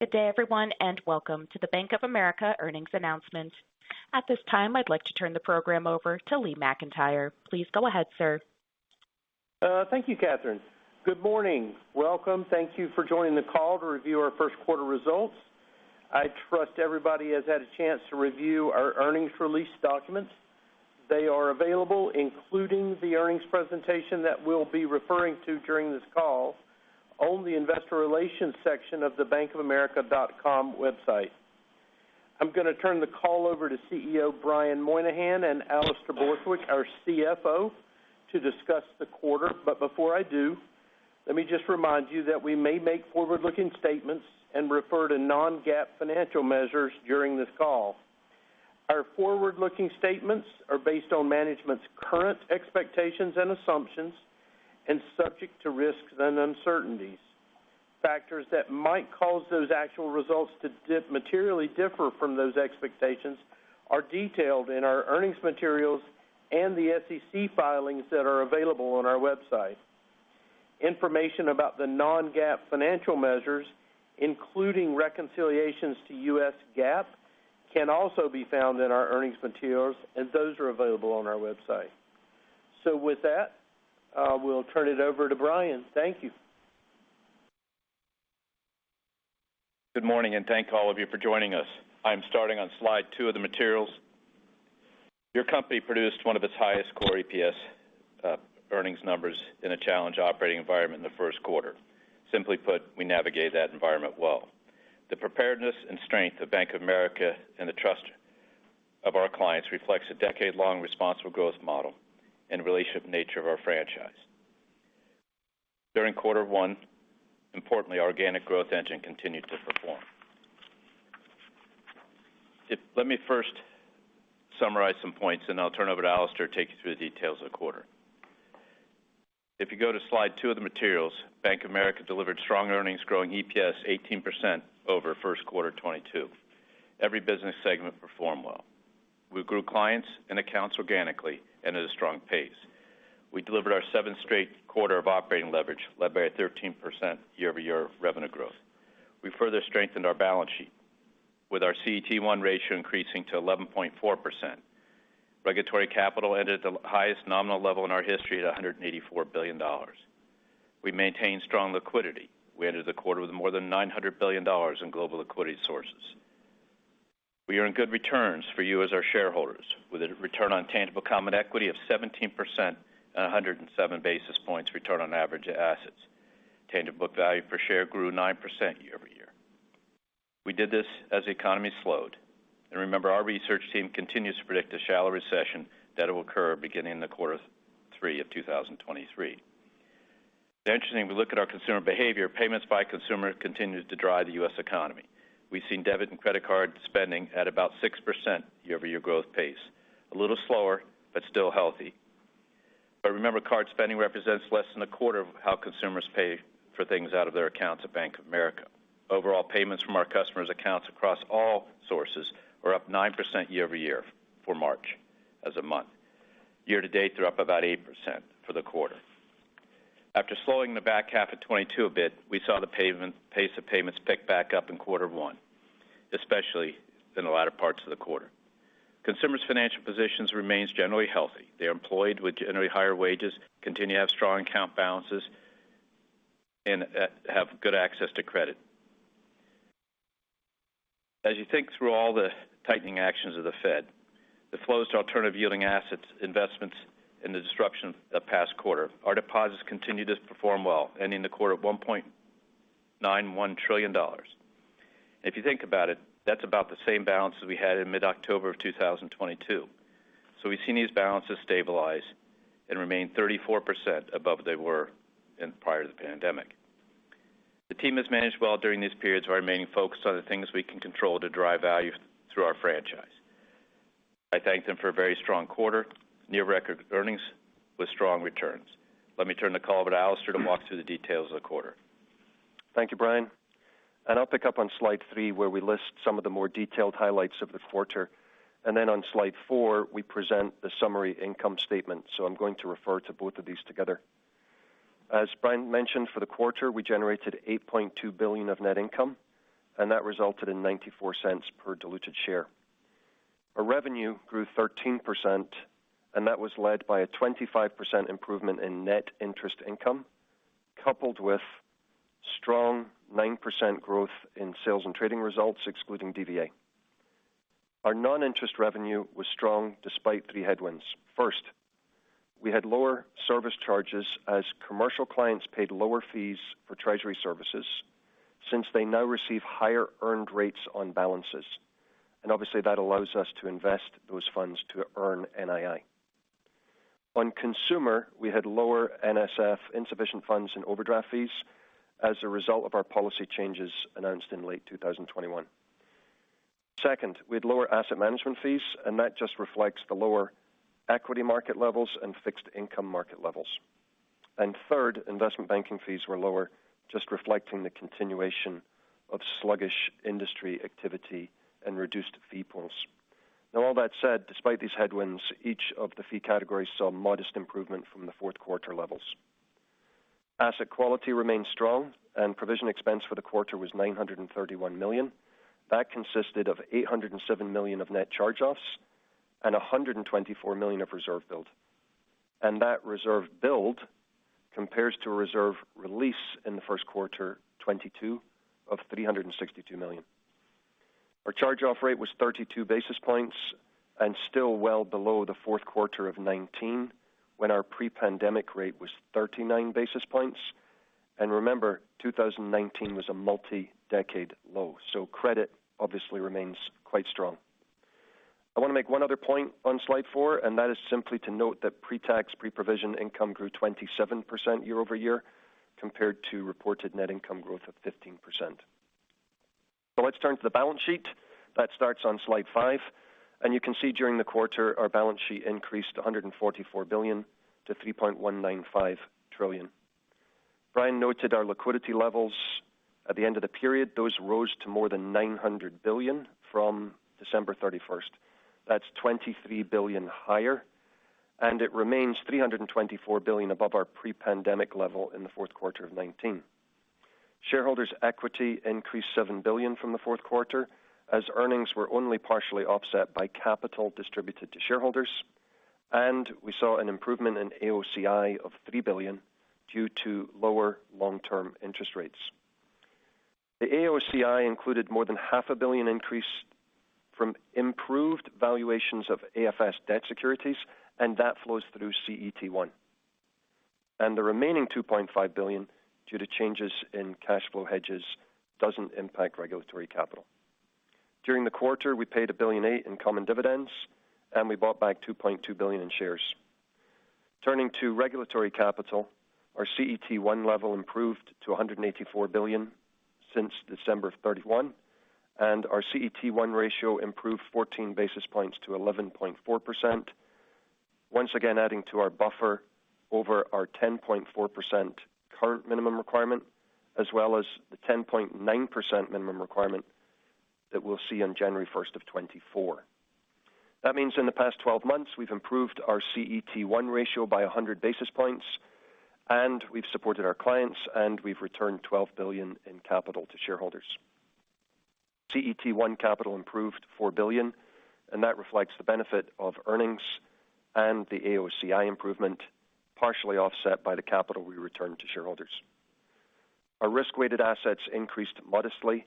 Good day, everyone, and welcome to the Bank of America earnings announcement. At this time, I'd like to turn the program over to Lee McEntire. Please go ahead, sir. Thank you, Catherine. Good morning. Welcome. Thank you for joining the call to review our first quarter results. I trust everybody has had a chance to review our earnings release documents. They are available, including the earnings presentation that we'll be referring to during this call on the investor relations section of the bankofamerica.com website. I'm going to turn the call over to CEO Brian Moynihan and Alastair Borthwick, our CFO, to discuss the quarter. Before I do, let me just remind you that we may make forward-looking statements and refer to non-GAAP financial measures during this call. Our forward-looking statements are based on management's current expectations and assumptions and subject to risks and uncertainties. Factors that might cause those actual results to dip materially differ from those expectations are detailed in our earnings materials and the SEC filings that are available on our website. Information about the non-GAAP financial measures, including reconciliations to U.S. GAAP, can also be found in our earnings materials, and those are available on our website. With that, we'll turn it over to Brian. Thank you. Good morning. Thank all of you for joining us. I'm starting on slide two of the materials. Your company produced one of its highest core EPS earnings numbers in a challenged operating environment in the first quarter. Simply put, we navigate that environment well. The preparedness and strength of Bank of America and the trust of our clients reflects a decade-long responsible growth model and relationship nature of our franchise. During quarter one, importantly, our organic growth engine continued to perform. Let me first summarize some points, and I'll turn over to Alastair to take you through the details of the quarter. If you go to slide two of the materials, Bank of America delivered strong earnings, growing EPS 18% over first quarter 2022. Every business segment performed well. We grew clients and accounts organically and at a strong pace. We delivered our seventh straight quarter of operating leverage, led by a 13% year-over-year revenue growth. We further strengthened our balance sheet with our CET1 ratio increasing to 11.4%. Regulatory capital ended at the highest nominal level in our history at $184 billion. We maintained strong liquidity. We ended the quarter with more than $900 billion in global liquidity sources. We earned good returns for you as our shareholders, with a return on tangible common equity of 17% and 107 basis points return on average assets. Tangible book value per share grew 9% year-over-year. We did this as the economy slowed. Remember, our research team continues to predict a shallow recession that will occur beginning in quarter three 2023. Interestingly, we look at our consumer behavior. Payments by consumer continues to drive the U.S. economy. We've seen debit and credit card spending at about 6% year-over-year growth pace. A little slower, still healthy. Remember, card spending represents less than a quarter of how consumers pay for things out of their accounts at Bank of America. Overall, payments from our customers' accounts across all sources were up 9% year-over-year for March as a month. Year-to-date, they're up about 8% for the quarter. After slowing the back half of 2022 a bit, we saw the pace of payments pick back up in quarter one, especially in the latter parts of the quarter. Consumers' financial positions remains generally healthy. They're employed with generally higher wages, continue to have strong account balances, and have good access to credit. As you think through all the tightening actions of the Fed, the flows to alternative yielding assets, investments in the disruption of past quarter, our deposits continue to perform well, ending the quarter at $1.91 trillion. If you think about it, that's about the same balance that we had in mid-October of 2022. We've seen these balances stabilize and remain 34% above they were in prior to the pandemic. The team has managed well during these periods while remaining focused on the things we can control to drive value through our franchise. I thank them for a very strong quarter, near-record earnings with strong returns. Let me turn the call over to Alastair to walk through the details of the quarter. Thank you, Brian. I'll pick up on slide three, where we list some of the more detailed highlights of the quarter. On slide four, we present the summary income statement. I'm going to refer to both of these together. As Brian mentioned, for the quarter, we generated $8.2 billion of net income, and that resulted in $0.94 per diluted share. Our revenue grew 13%, and that was led by a 25% improvement in net interest income, coupled with strong 9% growth in sales and trading results, excluding DVA. Our non-interest revenue was strong despite three headwinds. First, we had lower service charges as commercial clients paid lower fees for treasury services since they now receive higher earned rates on balances. Obviously, that allows us to invest those funds to earn NII. On consumer, we had lower NSF, insufficient funds, and overdraft fees as a result of our policy changes announced in late 2021. Second, we had lower asset management fees, and that just reflects the lower equity market levels and fixed income market levels. Third, investment banking fees were lower, just reflecting the continuation of sluggish industry activity and reduced fee pools. All that said, despite these headwinds, each of the fee categories saw modest improvement from the fourth quarter levels. Asset quality remains strong and provision expense for the quarter was $931 million. That consisted of $807 million of net charge-offs and $124 million of reserve build. That reserve build compares to a reserve release in the first quarter 2022 of $362 million. Our charge-off rate was 32 basis points and still well below the fourth quarter of 2019 when our pre-pandemic rate was 39 basis points. Remember, 2019 was a multi-decade low, credit obviously remains quite strong. I want to make one other point on slide four, and that is simply to note that pre-tax, pre-provision income grew 27% year-over-year compared to reported net income growth of 15%. Let's turn to the balance sheet. That starts on slide five, and you can see during the quarter our balance sheet increased to $144 billion to $3.195 trillion. Brian noted our liquidity levels at the end of the period. Those rose to more than $900 billion from December 31st. That's $23 billion higher. It remains $324 billion above our pre-pandemic level in the fourth quarter of 2019. Shareholders' equity increased $7 billion from the fourth quarter as earnings were only partially offset by capital distributed to shareholders. We saw an improvement in AOCI of $3 billion due to lower long-term interest rates. The AOCI included more than half a billion increase from improved valuations of AFS debt securities, and that flows through CET1. The remaining $2.5 billion due to changes in cash flow hedges doesn't impact regulatory capital. During the quarter, we paid $1,000,000,008 in common dividends, and we bought back $2.2 billion in shares. Turning to regulatory capital, our CET1 level improved to $184 billion since December of 31, and our CET1 ratio improved 14 basis points to 11.4%. Once again adding to our buffer over our 10.4% current minimum requirement as well as the 10.9% minimum requirement that we'll see on January 1st of 2024. That means in the past 12 months we've improved our CET1 ratio by 100 basis points. We've supported our clients. We've returned $12 billion in capital to shareholders. CET1 capital improved $4 billion. That reflects the benefit of earnings and the AOCI improvement partially offset by the capital we returned to shareholders. Our risk-weighted assets increased modestly.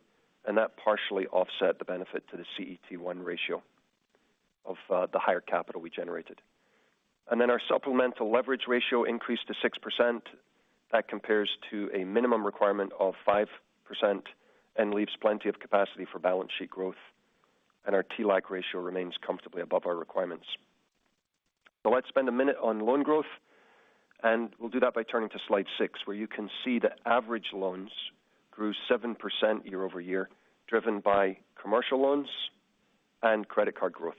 That partially offset the benefit to the CET1 ratio of the higher capital we generated. Our supplemental leverage ratio increased to 6%. That compares to a minimum requirement of 5% and leaves plenty of capacity for balance sheet growth. Our TLAC ratio remains comfortably above our requirements. Let's spend a minute on loan growth, and we'll do that by turning to slide six, where you can see that average loans grew 7% year-over-year, driven by commercial loans and credit card growth.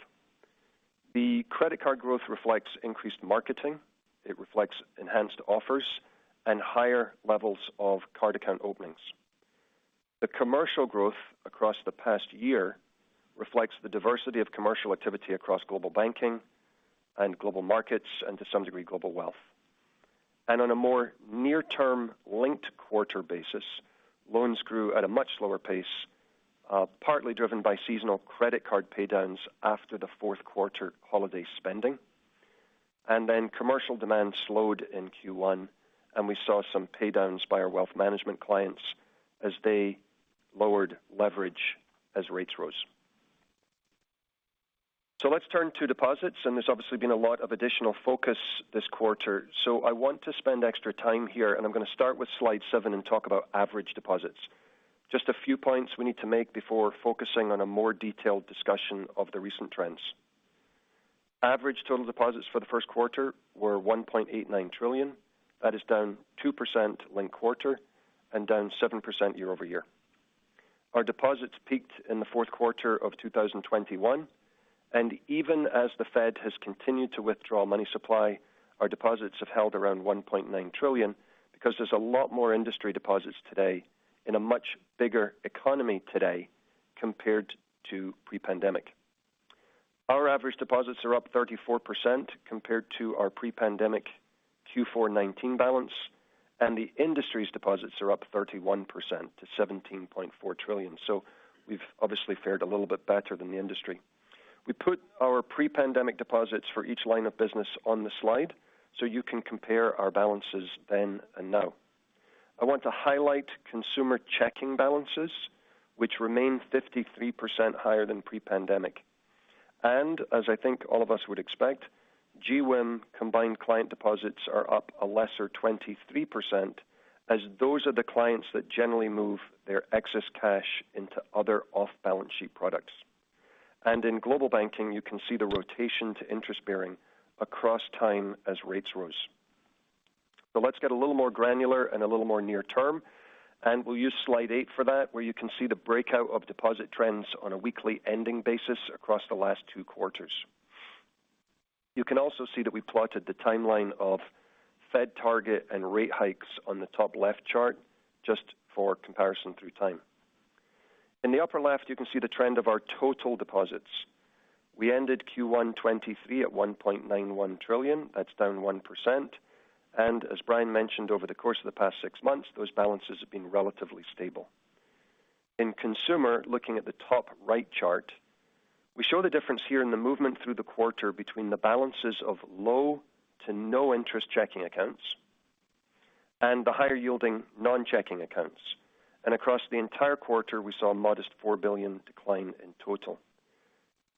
The credit card growth reflects increased marketing, it reflects enhanced offers and higher levels of card account openings. The commercial growth across the past year reflects the diversity of commercial activity across Global Banking and Global Markets and to some degree, Global Wealth. On a more near-term linked-quarter basis, loans grew at a much slower pace, partly driven by seasonal credit card paydowns after the fourth quarter holiday spending. Then commercial demand slowed in Q1, and we saw some paydowns by our wealth management clients as they lowered leverage as rates rose. Let's turn to deposits. There's obviously been a lot of additional focus this quarter. I want to spend extra time here, and I'm going to start with slide seven and talk about average deposits. Just a few points we need to make before focusing on a more detailed discussion of the recent trends. Average total deposits for the first quarter were $1.89 trillion. That is down 2% linked quarter and down 7% year-over-year. Our deposits peaked in the fourth quarter 2021. Even as the Fed has continued to withdraw money supply, our deposits have held around $1.9 trillion because there's a lot more industry deposits today in a much bigger economy today compared to pre-pandemic. Our average deposits are up 34% compared to our pre-pandemic Q4 2019 balance. The industry's deposits are up 31% to $17.4 trillion. We've obviously fared a little bit better than the industry. We put our pre-pandemic deposits for each line of business on the slide so you can compare our balances then and now. I want to highlight consumer checking balances, which remain 53% higher than pre-pandemic. As I think all of us would expect, GWIM combined client deposits are up a lesser 23%, as those are the clients that generally move their excess cash into other off-balance sheet products. In global banking, you can see the rotation to interest bearing across time as rates rose. Let's get a little more granular and a little more near term, and we'll use slide eight for that, where you can see the breakout of deposit trends on a weekly ending basis across the last two quarters. You can also see that we plotted the timeline of Fed target and rate hikes on the top left chart just for comparison through time. In the upper left, you can see the trend of our total deposits. We ended Q1 2023 at $1.91 trillion. That's down 1%. As Brian mentioned, over the course of the past six months, those balances have been relatively stable. In consumer, looking at the top right chart, we show the difference here in the movement through the quarter between the balances of low to no interest checking accounts and the higher yielding non-checking accounts. Across the entire quarter, we saw a modest $4 billion decline in total.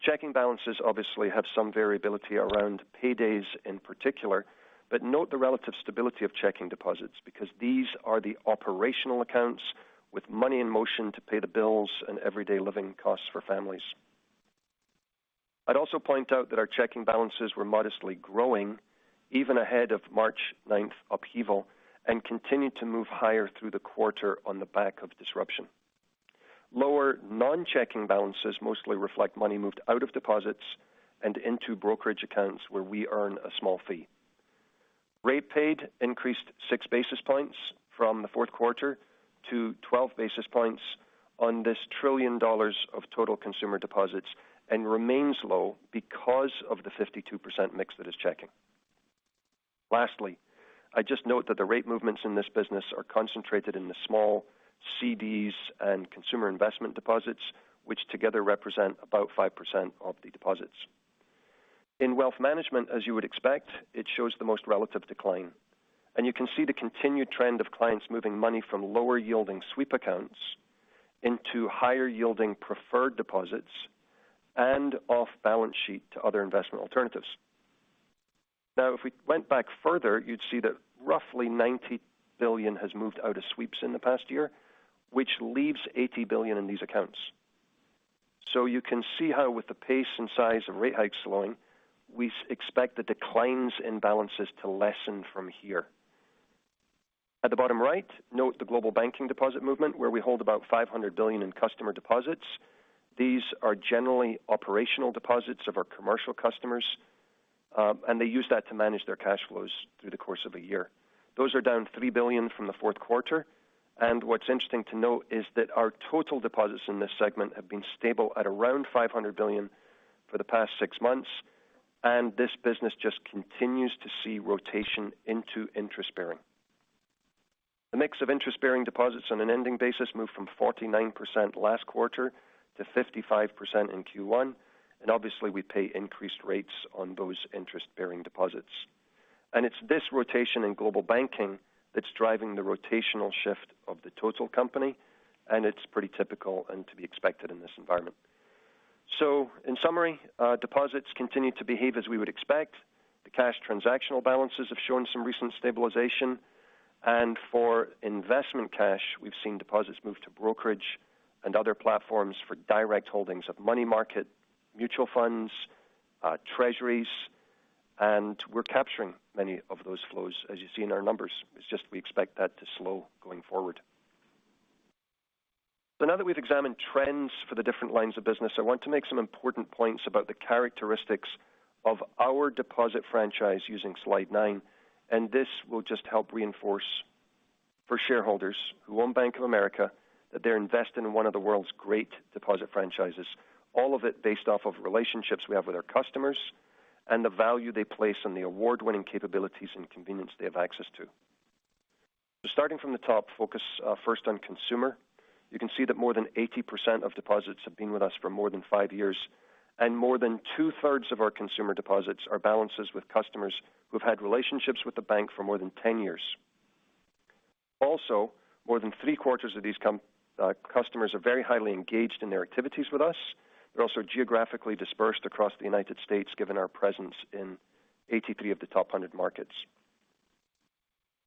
Checking balances obviously have some variability around paydays in particular, but note the relative stability of checking deposits because these are the operational accounts with money in motion to pay the bills and everyday living costs for families. I'd also point out that our checking balances were modestly growing even ahead of March 9th upheaval, and continued to move higher through the quarter on the back of disruption. Lower non-checking balances mostly reflect money moved out of deposits and into brokerage accounts where we earn a small fee. Rate paid increased 6 basis points from the fourth quarter to 12 basis points on this $1 trillion of total consumer deposits, and remains low because of the 52% mix that is checking. Lastly, I just note that the rate movements in this business are concentrated in the small CDs and consumer investment deposits, which together represent about 5% of the deposits. In wealth management, as you would expect, it shows the most relative decline, and you can see the continued trend of clients moving money from lower yielding sweep accounts into higher yielding preferred deposits and off-balance sheet to other investment alternatives. Now, if we went back further, you'd see that roughly $90 billion has moved out of sweeps in the past year, which leaves $80 billion in these accounts. You can see how with the pace and size of rate hikes slowing, we expect the declines in balances to lessen from here. At the bottom right, note the global banking deposit movement, where we hold about $500 billion in customer deposits. These are generally operational deposits of our commercial customers, and they use that to manage their cash flows through the course of a year. Those are down $3 billion from the fourth quarter. What's interesting to note is that our total deposits in this segment have been stable at around $500 billion for the past six months, and this business just continues to see rotation into interest-bearing. The mix of interest-bearing deposits on an ending basis moved from 49% last quarter to 55% in Q1, and obviously we pay increased rates on those interest-bearing deposits. It's this rotation in global banking that's driving the rotational shift of the total company, and it's pretty typical and to be expected in this environment. In summary, deposits continue to behave as we would expect. The cash transactional balances have shown some recent stabilization. For investment cash, we've seen deposits move to brokerage and other platforms for direct holdings of money market, mutual funds, treasuries, and we're capturing many of those flows, as you see in our numbers. It's just we expect that to slow going forward. Now that we've examined trends for the different lines of business, I want to make some important points about the characteristics of our deposit franchise using slide nine, and this will just help reinforce for shareholders who own Bank of America that they're invested in one of the world's great deposit franchises, all of it based off of relationships we have with our customers and the value they place on the award-winning capabilities and convenience they have access to. Starting from the top, focus, first on consumer. You can see that more than 80% of deposits have been with us for more than five years, and more than two-thirds of our consumer deposits are balances with customers who have had relationships with the bank for more than 10 years. Also, more than three-quarters of these customers are very highly engaged in their activities with us. They're also geographically dispersed across the United States, given our presence in 83 of the top 100 markets.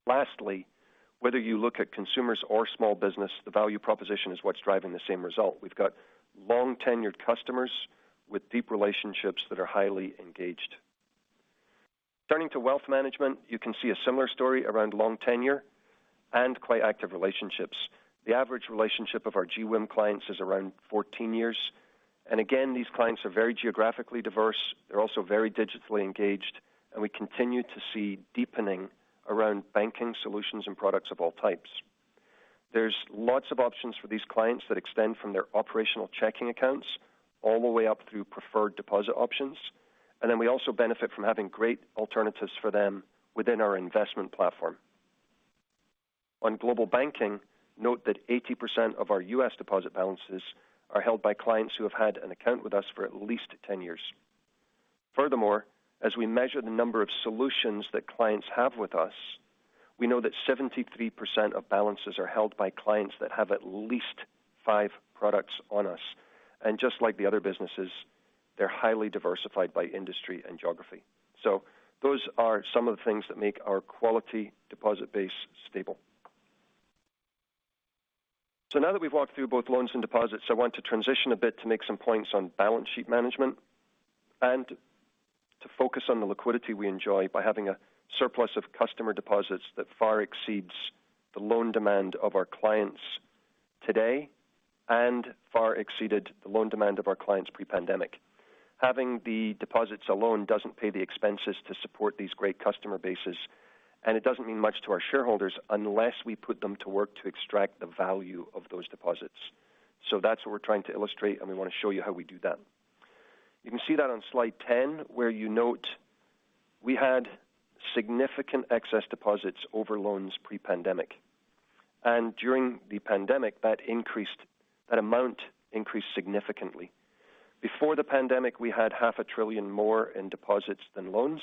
Lastly, whether you look at consumers or small business, the value proposition is what's driving the same result. We've got long-tenured customers with deep relationships that are highly engaged. Turning to wealth management, you can see a similar story around long tenure and quite active relationships. The average relationship of our GWIM clients is around 14 years. Again, these clients are very geographically diverse. They're also very digitally engaged. We continue to see deepening around banking solutions and products of all types. There's lots of options for these clients that extend from their operational checking accounts all the way up through preferred deposit options. We also benefit from having great alternatives for them within our investment platform. On global banking, note that 80% of our U.S. deposit balances are held by clients who have had an account with us for at least 10 years. Furthermore, as we measure the number of solutions that clients have with us, we know that 73% of balances are held by clients that have at least five products on us. Just like the other businesses, they're highly diversified by industry and geography. Those are some of the things that make our quality deposit base stable. Now that we've walked through both loans and deposits, I want to transition a bit to make some points on balance sheet management and to focus on the liquidity we enjoy by having a surplus of customer deposits that far exceeds the loan demand of our clients today and far exceeded the loan demand of our clients pre-pandemic. Having the deposits alone doesn't pay the expenses to support these great customer bases, and it doesn't mean much to our shareholders unless we put them to work to extract the value of those deposits. That's what we're trying to illustrate, and we want to show you how we do that. You can see that on slide 10, where you note we had significant excess deposits over loans pre-pandemic, and during the pandemic that amount increased significantly. Before the pandemic, we had half a trillion more in deposits than loans,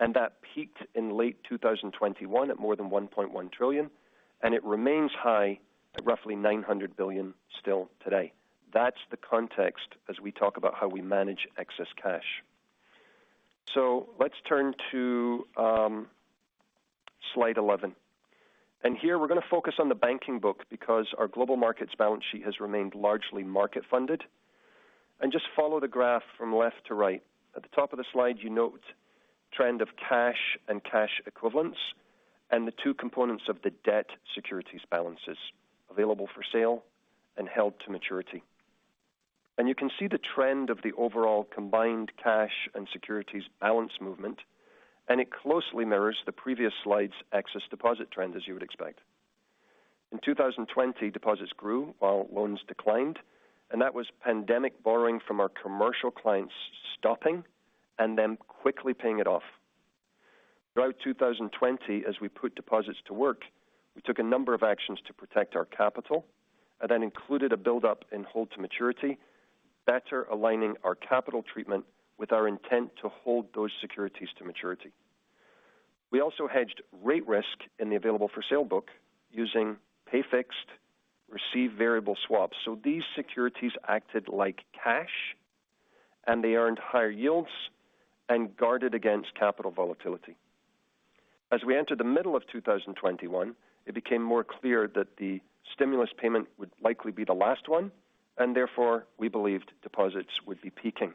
and that peaked in late 2021 at more than $1.1 trillion. It remains high at roughly $900 billion still today. That's the context as we talk about how we manage excess cash. Let's turn to slide 11. Here we're going to focus on the banking book because our global markets balance sheet has remained largely market funded. Just follow the graph from left to right. At the top of the slide, you note trend of cash and cash equivalents and the two components of the debt securities balances available for sale and held to maturity. You can see the trend of the overall combined cash and securities balance movement, and it closely mirrors the previous slide's excess deposit trend as you would expect. In 2020, deposits grew while loans declined, and that was pandemic borrowing from our commercial clients stopping and then quickly paying it off. Throughout 2020, as we put deposits to work, we took a number of actions to protect our capital. That included a buildup in hold to maturity, better aligning our capital treatment with our intent to hold those securities to maturity. We also hedged rate risk in the available for sale book using pay fixed receive variable swaps. These securities acted like cash, and they earned higher yields and guarded against capital volatility. As we entered the middle of 2021, it became more clear that the stimulus payment would likely be the last one, and therefore we believed deposits would be peaking.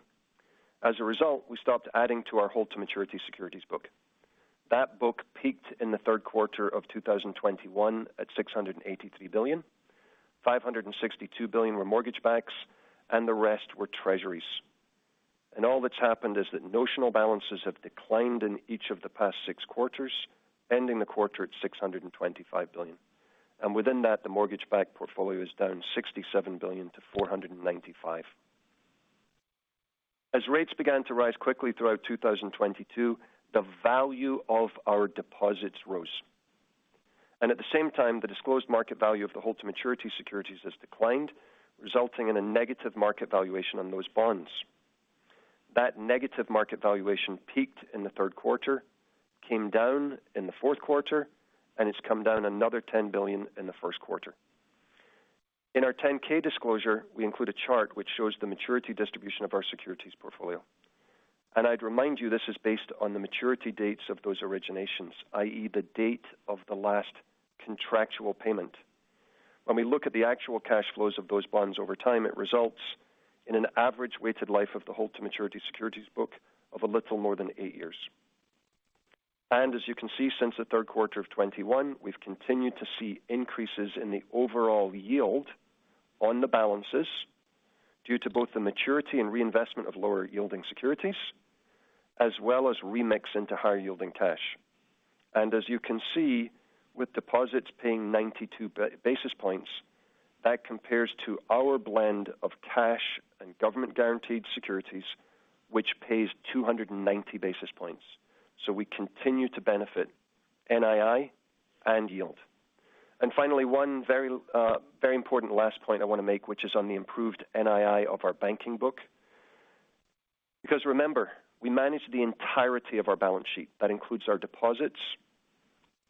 As a result, we stopped adding to our hold to maturity securities book. That book peaked in the third quarter of 2021 at $683 billion. $562 billion were mortgage banks, and the rest were treasuries. All that's happened is that notional balances have declined in each of the past six quarters, ending the quarter at $625 billion. Within that, the mortgage-backed portfolio is down $67 billion to $495 billion. As rates began to rise quickly throughout 2022, the value of our deposits rose. At the same time, the disclosed market value of the hold to maturity securities has declined, resulting in a negative market valuation on those bonds. That negative market valuation peaked in the third quarter, came down in the fourth quarter, and it's come down another $10 billion in the first quarter. In our 10-K disclosure, we include a chart which shows the maturity distribution of our securities portfolio. I'd remind you this is based on the maturity dates of those originations, i.e., the date of the last contractual payment. When we look at the actual cash flows of those bonds over time, it results in an average weighted life of the hold to maturity securities book of a little more than eight years. As you can see, since the third quarter of 2021, we've continued to see increases in the overall yield on the balances due to both the maturity and reinvestment of lower yielding securities, as well as remix into higher yielding cash. As you can see with deposits paying 92 basis points, that compares to our blend of cash and government guaranteed securities, which pays 290 basis points. We continue to benefit NII and yield. Finally, one very, very important last point I want to make, which is on the improved NII of our banking book, because remember, we manage the entirety of our balance sheet. That includes our deposits,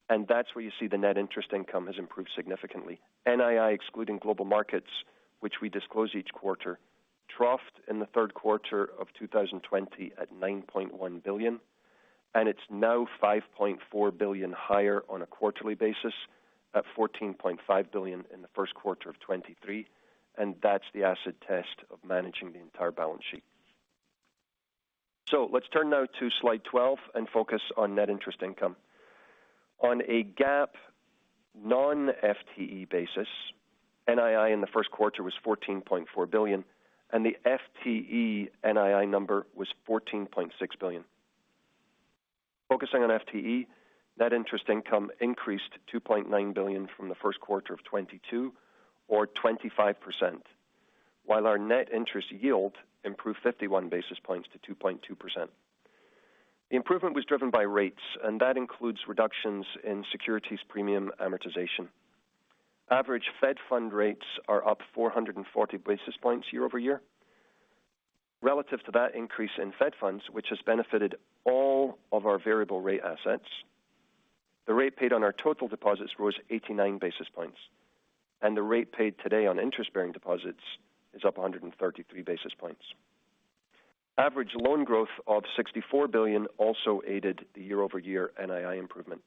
and that's where you see the net interest income has improved significantly. NII, excluding global markets, which we disclose each quarter, troughed in third quarter of 2020 at $9.1 billion, and it's now $5.4 billion higher on a quarterly basis at $14.5 billion in first quarter of 2023. That's the acid test of managing the entire balance sheet. Let's turn now to slide 12 and focus on net interest income. On a GAAP non-FTE basis, NII in the first quarter was $14.4 billion, and the FTE NII number was $14.6 billion. Focusing on FTE, net interest income increased $2.9 billion from the first quarter of 2022 or 25%, while our net interest yield improved 51 basis points to 2.2%. The improvement was driven by rates, and that includes reductions in securities premium amortization. Average Fed fund rates are up 440 basis points year-over-year. Relative to that increase in Fed funds, which has benefited all of our variable rate assets, the rate paid on our total deposits rose 89 basis points, and the rate paid today on interest-bearing deposits is up 133 basis points. Average loan growth of $64 billion also aided the year-over-year NII improvement.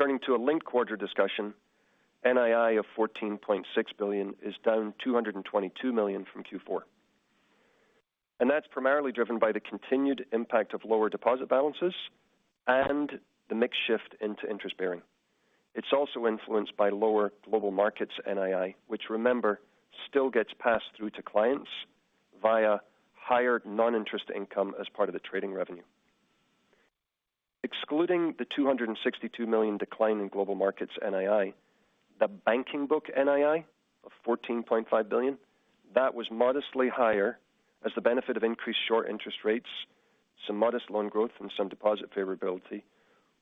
Turning to a linked quarter discussion, NII of $14.6 billion is down $222 million from Q4. That's primarily driven by the continued impact of lower deposit balances and the mix shift into interest bearing. It's also influenced by lower global markets NII, which remember still gets passed through to clients via higher non-interest income as part of the trading revenue. Excluding the $262 million decline in global markets NII, the banking book NII of $14.5 billion, that was modestly higher as the benefit of increased short interest rates, some modest loan growth and some deposit favorability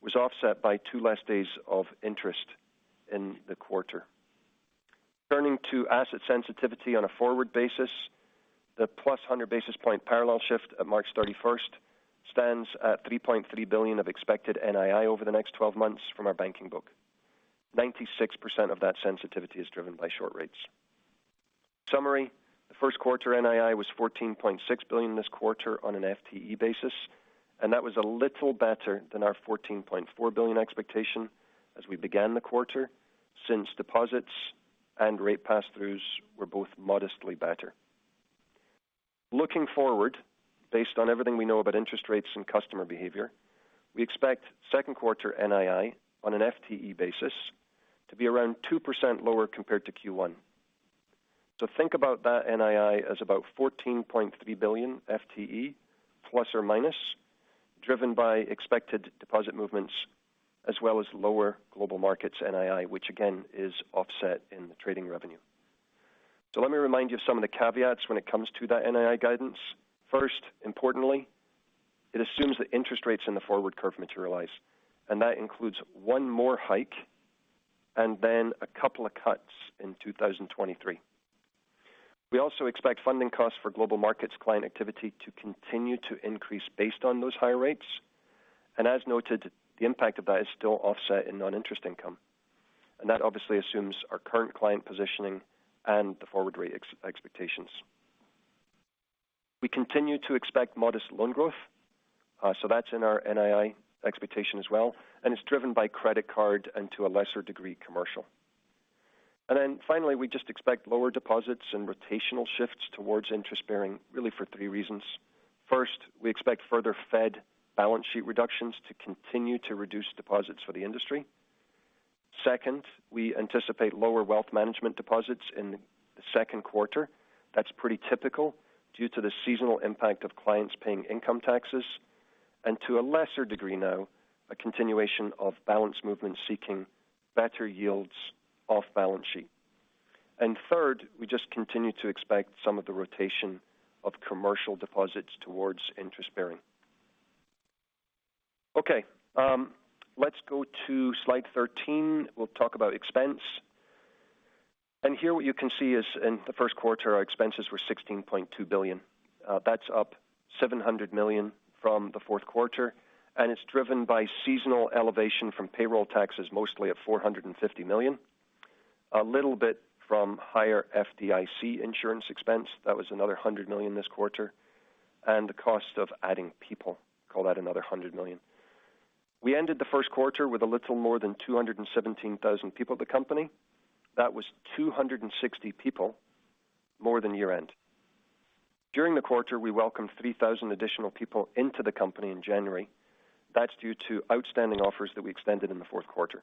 was offset by two less days of interest in the quarter. Turning to asset sensitivity on a forward basis, the +100 basis point parallel shift at March 31st stands at $3.3 billion of expected NII over the next 12 months from our banking book. 96% of that sensitivity is driven by short rates. Summary, the first quarter NII was $14.6 billion this quarter on an FTE basis, that was a little better than our $14.4 billion expectation as we began the quarter since deposits and rate pass-throughs were both modestly better. Looking forward, based on everything we know about interest rates and customer behavior, we expect second quarter NII on an FTE basis to be around 2% lower compared to Q1. Think about that NII as about $14.3 billion FTE ±, driven by expected deposit movements as well as lower global markets NII, which again is offset in the trading revenue. Let me remind you of some of the caveats when it comes to that NII guidance. First, importantly, it assumes that interest rates in the forward curve materialize, and that includes one more hike and then a couple of cuts in 2023. We also expect funding costs for global markets client activity to continue to increase based on those higher rates. As noted, the impact of that is still offset in non-interest income. That obviously assumes our current client positioning and the forward rate expectations. We continue to expect modest loan growth, so that's in our NII expectation as well, and it's driven by credit card and to a lesser degree, commercial. Finally, we just expect lower deposits and rotational shifts towards interest bearing really for three reasons. First, we expect further Fed balance sheet reductions to continue to reduce deposits for the industry. Second, we anticipate lower wealth management deposits in the second quarter. That's pretty typical due to the seasonal impact of clients paying income taxes, and to a lesser degree now, a continuation of balance movement seeking better yields off balance sheet. Third, we just continue to expect some of the rotation of commercial deposits towards interest bearing. Okay, let's go to slide 13. We'll talk about expense. Here what you can see is in the 1st quarter, our expenses were $16.2 billion. That's up $700 million from the fourth quarter. It's driven by seasonal elevation from payroll taxes, mostly at $450 million. A little bit from higher FDIC insurance expense. That was another $100 million this quarter. The cost of adding people, call that another $100 million. We ended the first quarter with a little more than 217,000 people at the company. That was 260 people more than year-end. During the quarter, we welcomed 3,000 additional people into the company in January. That's due to outstanding offers that we extended in the fourth quarter.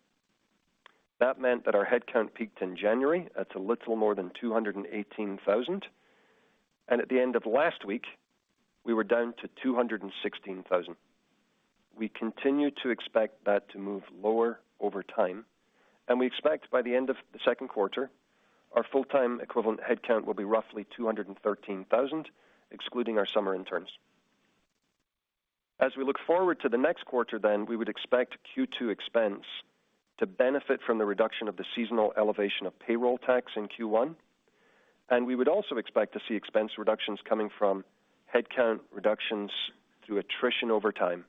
That meant that our headcount peaked in January at a little more than 218,000. At the end of last week, we were down to 216,000. We continue to expect that to move lower over time, we expect by the end of the second quarter, our full-time equivalent headcount will be roughly 213,000, excluding our summer interns. As we look forward to the next quarter, we would expect Q2 expense to benefit from the reduction of the seasonal elevation of payroll tax in Q1. We would also expect to see expense reductions coming from headcount reductions through attrition over time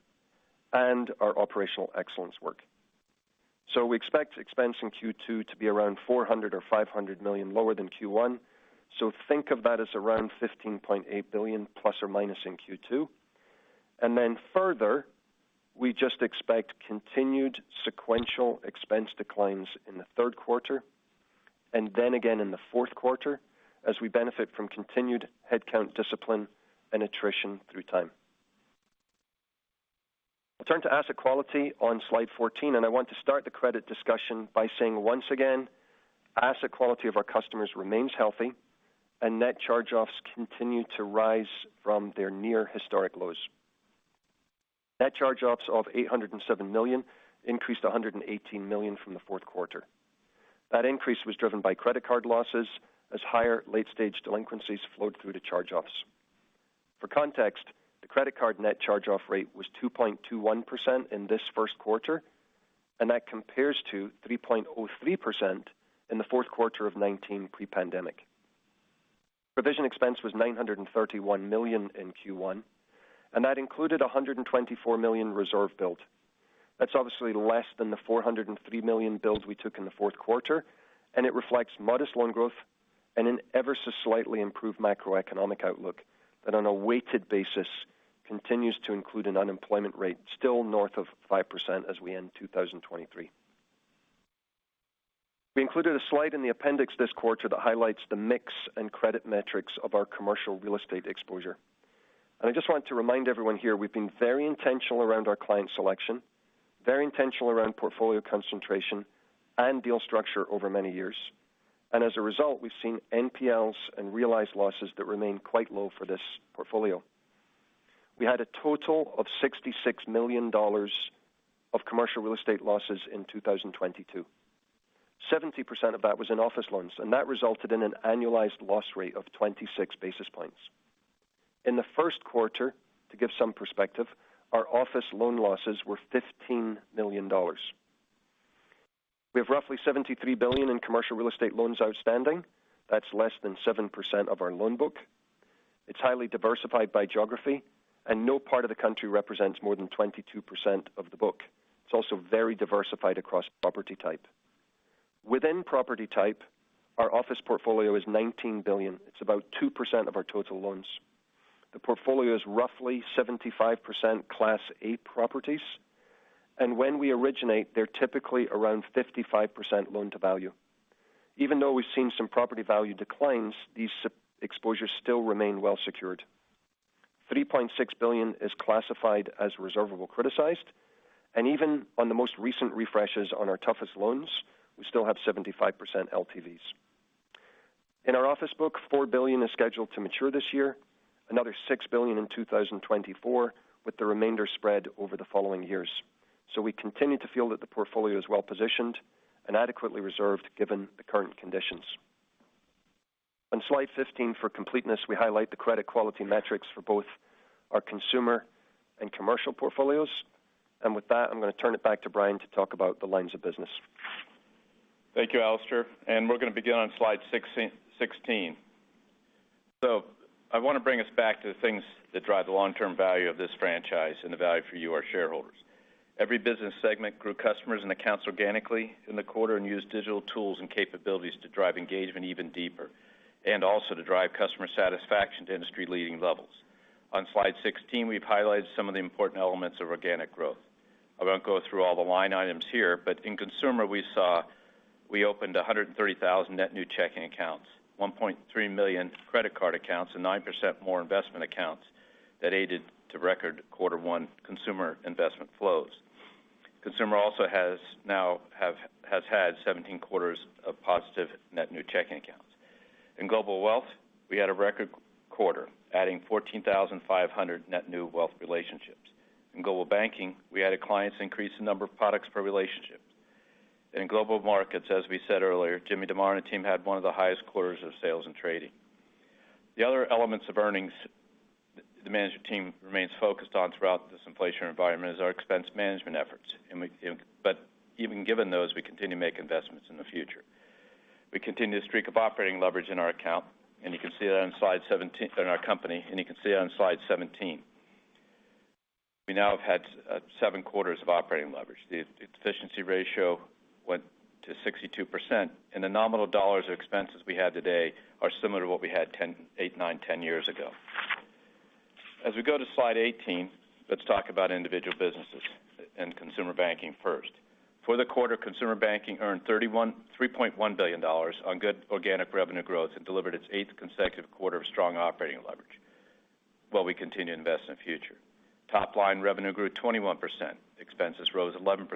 and our operational excellence work. We expect expense in Q2 to be around $400 million or $500 million lower than Q1. Think of that as around $15.8 billion ± in Q2. Then further, we just expect continued sequential expense declines in the third quarter and then again in the fourth quarter as we benefit from continued headcount discipline and attrition through time. I turn to asset quality on slide 14. I want to start the credit discussion by saying once again, asset quality of our customers remains healthy and net charge-offs continue to rise from their near historic lows. Net charge-offs of $807 million increased $118 million from the fourth quarter. That increase was driven by credit card losses as higher late-stage delinquencies flowed through to charge-offs. For context, the credit card net charge-off rate was 2.21% in this first quarter. That compares to 3.03% in the fourth quarter of 2019 pre-pandemic. Provision expense was $931 million in Q1. That included a $124 million reserve build. That's obviously less than the $403 million builds we took in the fourth quarter. It reflects modest loan growth and an ever so slightly improved macroeconomic outlook that on a weighted basis continues to include an unemployment rate still north of 5% as we end 2023. We included a slide in the appendix this quarter that highlights the mix and credit metrics of our commercial real estate exposure. I just want to remind everyone here, we've been very intentional around our client selection, very intentional around portfolio concentration and deal structure over many years. As a result, we've seen NPLs and realized losses that remain quite low for this portfolio. We had a total of $66 million of commercial real estate losses in 2022. 70% of that was in office loans, that resulted in an annualized loss rate of 26 basis points. In the first quarter, to give some perspective, our office loan losses were $15 million. We have roughly $73 billion in commercial real estate loans outstanding. That's less than 7% of our loan book. It's highly diversified by geography, no part of the country represents more than 22% of the book. It's also very diversified across property type. Within property type, our office portfolio is $19 billion. It's about 2% of our total loans. The portfolio is roughly 75% Class A properties. When we originate, they're typically around 55% loan to value. Even though we've seen some property value declines, these exposures still remain well secured. $3.6 billion is classified as reservable criticized. Even on the most recent refreshes on our toughest loans, we still have 75% LTVs. In our office book, $4 billion is scheduled to mature this year, another $6 billion in 2024, with the remainder spread over the following years. We continue to feel that the portfolio is well positioned and adequately reserved given the current conditions. On slide 15, for completeness, we highlight the credit quality metrics for both our consumer and commercial portfolios. With that, I'm going to turn it back to Brian to talk about the lines of business. Thank you, Alastair. We're going to begin on slide 16. I want to bring us back to the things that drive the long-term value of this franchise and the value for you, our shareholders. Every business segment grew customers and accounts organically in the quarter, and used digital tools and capabilities to drive engagement even deeper, and also to drive customer satisfaction to industry-leading levels. On slide 16, we've highlighted some of the important elements of organic growth. I won't go through all the line items here, in consumer, we saw we opened 130,000 net new checking accounts, 1.3 million credit card accounts, and 9% more investment accounts that aided to record quarter one consumer investment flows. Consumer also has now has had 17 quarters of positive net new checking accounts. In global wealth, we had a record quarter, adding 14,500 net new wealth relationships. In global banking, we had a client's increase in number of products per relationship. In global markets, as we said earlier, Jim DeMare and team had one of the highest quarters of sales and trading. The other elements of earnings the management team remains focused on throughout this inflation environment is our expense management efforts. Even given those, we continue to make investments in the future. We continue the streak of operating leverage in our company, and you can see it on slide 17. We now have had seven quarters of operating leverage. The efficiency ratio went to 62%, and the nominal dollars of expenses we had today are similar to what we had eight, nine, 10 years ago. As we go to slide 18, let's talk about individual businesses, and consumer banking first. For the quarter, consumer banking earned $3.1 billion on good organic revenue growth and delivered its eighth consecutive quarter of strong operating leverage while we continue to invest in the future. Top line revenue grew 21%. Expenses rose 11%.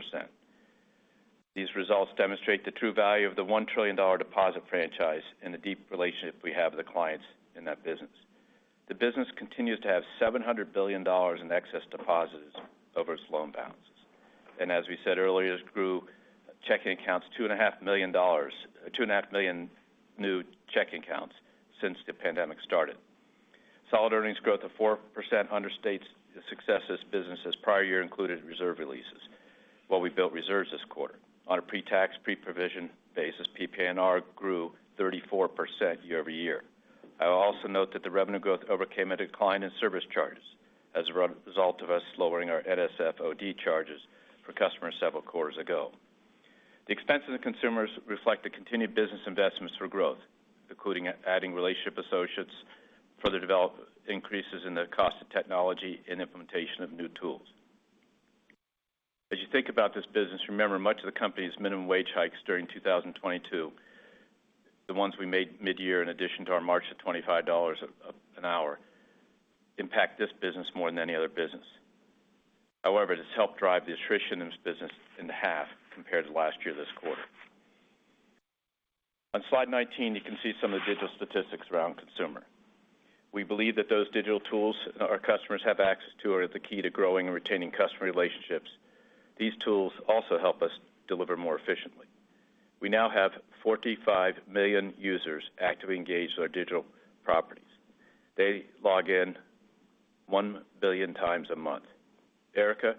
These results demonstrate the true value of the $1 trillion deposit franchise and the deep relationship we have with the clients in that business. The business continues to have $700 billion in excess deposits over its loan balances. As we said earlier, it grew checking accounts two and a half million new checking accounts since the pandemic started. Solid earnings growth of 4% understates the success of this business as prior year included reserve releases while we built reserves this quarter. On a pre-tax, pre-provision basis, PPNR grew 34% year-over-year. I will also note that the revenue growth overcame a decline in service charges as a result of us lowering our NSF OD charges for customers several quarters ago. The expense of the consumers reflect the continued business investments for growth, including adding relationship associates, further develop increases in the cost of technology, and implementation of new tools. As you think about this business, remember much of the company's minimum wage hikes during 2022, the ones we made mid-year in addition to our March to $25 of an hour, impact this business more than any other business. It's helped drive the attrition in this business in half compared to last year this quarter. On slide 19, you can see some of the digital statistics around consumer. We believe that those digital tools our customers have access to are the key to growing and retaining customer relationships. These tools also help us deliver more efficiently. We now have 45 million users actively engaged with our digital properties. They log in 1 billion times a month. Erica,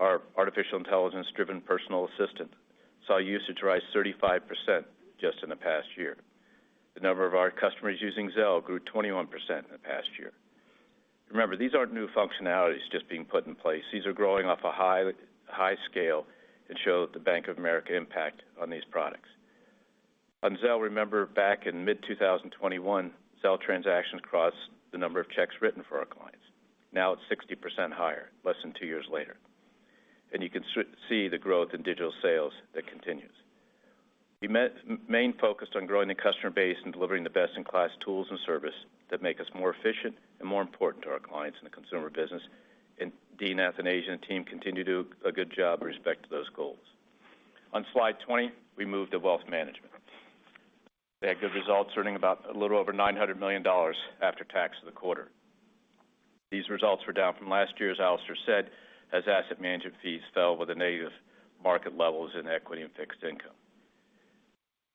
our artificial intelligence-driven personal assistant, saw usage rise 35% just in the past year. The number of our customers using Zelle grew 21% in the past year. Remember, these aren't new functionalities just being put in place. These are growing off a high, high scale and show the Bank of America impact on these products. On Zelle, remember back in mid 2021, Zelle transactions crossed the number of checks written for our clients. Now it's 60% higher less than two years later. You can see the growth in digital sales that continues. We focused on growing the customer base and delivering the best in class tools and service that make us more efficient and more important to our clients in the consumer business. Dean Athanasia and the team continue to do a good job with respect to those goals. On slide 20, we move to wealth management. They had good results, earning about a little over $900 million after tax in the quarter. These results were down from last year, as Alastair said, as asset management fees fell with the negative market levels in equity and fixed income.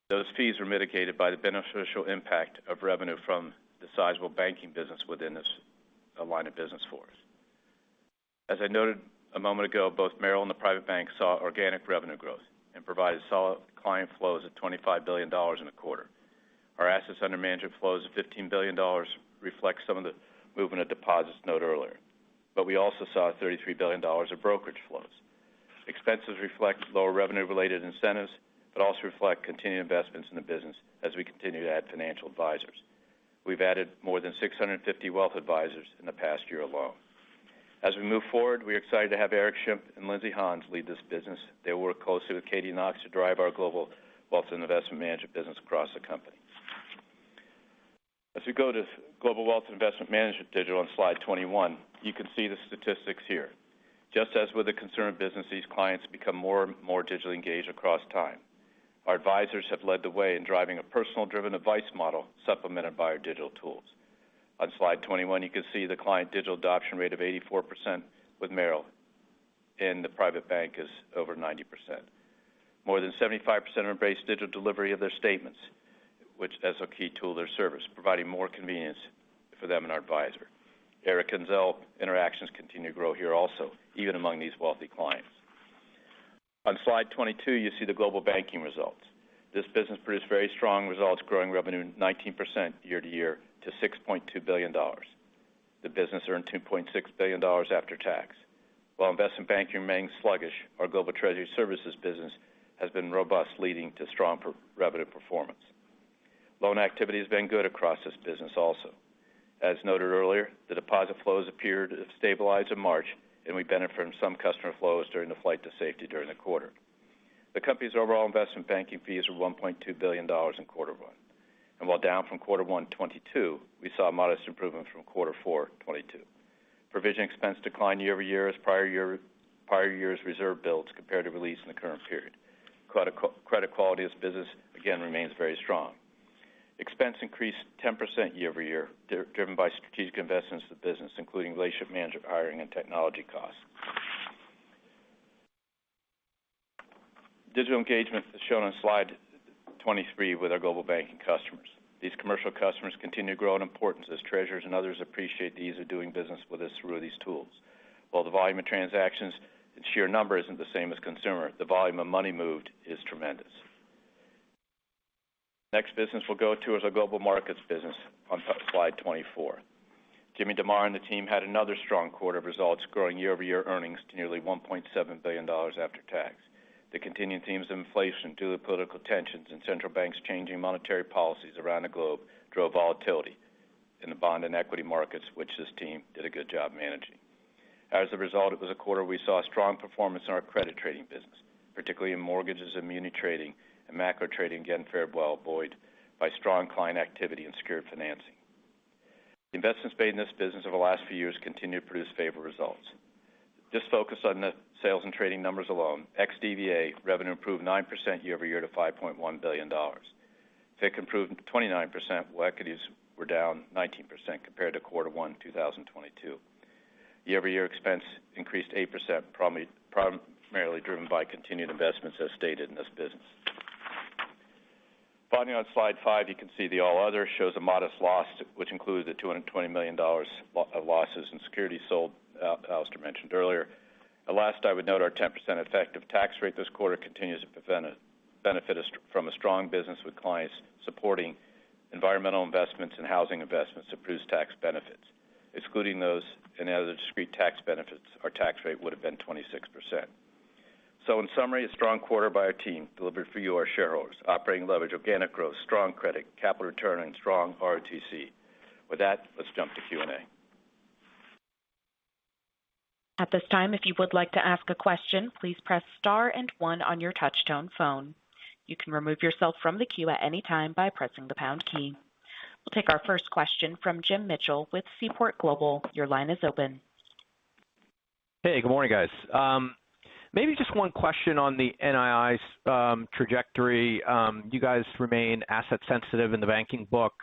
Those fees were mitigated by the beneficial impact of revenue from the sizable banking business within this, a line of business for us. As I noted a moment ago, both Merrill and the Private Bank saw organic revenue growth and provided solid client flows of $25 billion in the quarter. Our assets under management flows of $15 billion reflects some of the movement of deposits note earlier. We also saw $33 billion of brokerage flows. Expenses reflect lower revenue related incentives, but also reflect continued investments in the business as we continue to add financial advisors. We've added more than 650 wealth advisors in the past year alone. As we move forward, we're excited to have Eric Schimpf and Lindsay Hans lead this business. They work closely with Katy Knox to drive our global wealth and investment management business across the company. As we go to global wealth investment management digital on slide 21, you can see the statistics here. Just as with the consumer business, these clients become more and more digitally engaged across time. Our advisors have led the way in driving a personal driven advice model supplemented by our digital tools. On slide 21, you can see the client digital adoption rate of 84% with Merrill, and the private bank is over 90%. More than 75% embrace digital delivery of their statements, which as a key tool their service providing more convenience for them and our advisor. Erica and Zelle interactions continue to grow here also, even among these wealthy clients. On slide 22, you see the global banking results. This business produced very strong results, growing revenue 19% year-over-year to $6.2 billion. The business earned $2.6 billion after tax. While investment banking remains sluggish, our global treasury services business has been robust, leading to strong per-revenue performance. Loan activity has been good across this business also. As noted earlier, the deposit flows appeared to stabilize in March, and we benefit from some customer flows during the flight to safety during the quarter. The company's overall investment banking fees were $1.2 billion in quarter one. While down from quarter one 2022, we saw a modest improvement from quarter four 2022. Provision expense declined year-over-year as prior year's reserve builds compared to release in the current period. Credit quality of this business, again, remains very strong. Expense increased 10% year over year, driven by strategic investments to business, including relationship management hiring, and technology costs. Digital engagement is shown on slide 23 with our global banking customers. These commercial customers continue to grow in importance as treasurers and others appreciate the ease of doing business with us through these tools. While the volume of transactions, the sheer number isn't the same as consumer, the volume of money moved is tremendous. Next business we'll go to is our Global Markets business on slide 24. Jim DeMare and the team had another strong quarter of results, growing year over year earnings to nearly $1.7 billion after tax. The continuing themes of inflation due to political tensions, and central banks changing monetary policies around the globe drove volatility in the bond and equity markets, which this team did a good job managing. As a result, it was a quarter we saw strong performance in our credit trading business, particularly in mortgages, agency trading, and macro trading again fared well, buoyed by strong client activity and secured financing. Investments made in this business over the last few years continue to produce favorable results. Just focus on the sales and trading numbers alone. Ex-DVA revenue improved 9% year-over-year to $5.1 billion. FIC improved 29%, while equities were down 19% compared to quarter one 2022. Year-over-year expense increased 8%, primarily driven by continued investments as stated in this business. Finally, on slide 25, you can see the all other shows a modest loss which includes the $220 million of losses and securities sold, Alastair mentioned earlier. Alastair, I would note our 10% effective tax rate this quarter continues to benefit us from a strong business with clients supporting environmental investments and housing investments to produce tax benefits. Excluding those and other discrete tax benefits, our tax rate would have been 26%. In summary, a strong quarter by our team delivered for you, our shareholders. Operating leverage, organic growth, strong credit, capital return, and strong ROTC. With that, let's jump to Q&A. At this time, if you would like to ask a question, please press star and one on your touch-tone phone. You can remove yourself from the queue at any time by pressing the pound key. We'll take our first question from Jim Mitchell with Seaport Global. Your line is open. Hey, good morning, guys. Maybe just one question on the NIIs, trajectory. You guys remain asset sensitive in the banking book,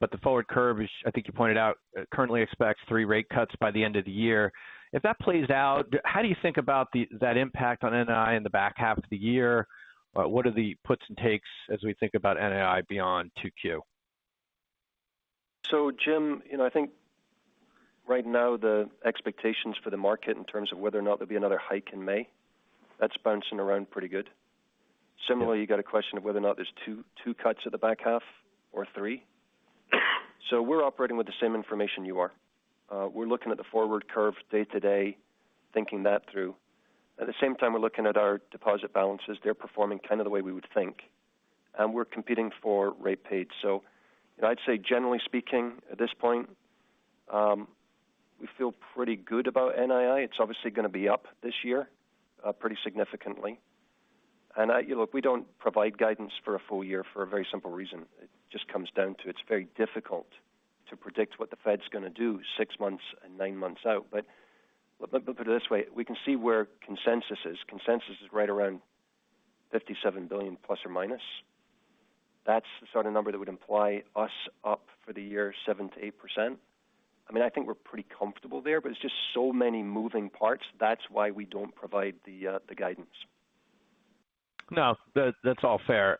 the forward curve is, I think you pointed out, currently expects three rate cuts by the end of the year. If that plays out, how do you think about that impact on NII in the back half of the year? What are the puts and takes as we think about NII beyond 2Q? Jim, you know, I think right now the expectations for the market in terms of whether or not there'll be another hike in May, that's bouncing around pretty good. Similarly, you got a question of whether or not there's two cuts at the back half or three. We're operating with the same information you are. We're looking at the forward curve day-to-day, thinking that through. At the same time, we're looking at our deposit balances. They're performing kind of the way we would think, and we're competing for rate paid. I'd say generally speaking, at this point, we feel pretty good about NII. It's obviously gonna be up this year, pretty significantly. Look, we don't provide guidance for a full year for a very simple reason. It just comes down to it's very difficult to predict what the Fed's gonna do six months and nine months out. Let put it this way, we can see where consensus is. Consensus is right around $57 billion plus or minus. That's the sort of number that would imply us up for the year 7%-8%. I mean, I think we're pretty comfortable there, it's just so many moving parts. That's why we don't provide the guidance. No, that's all fair.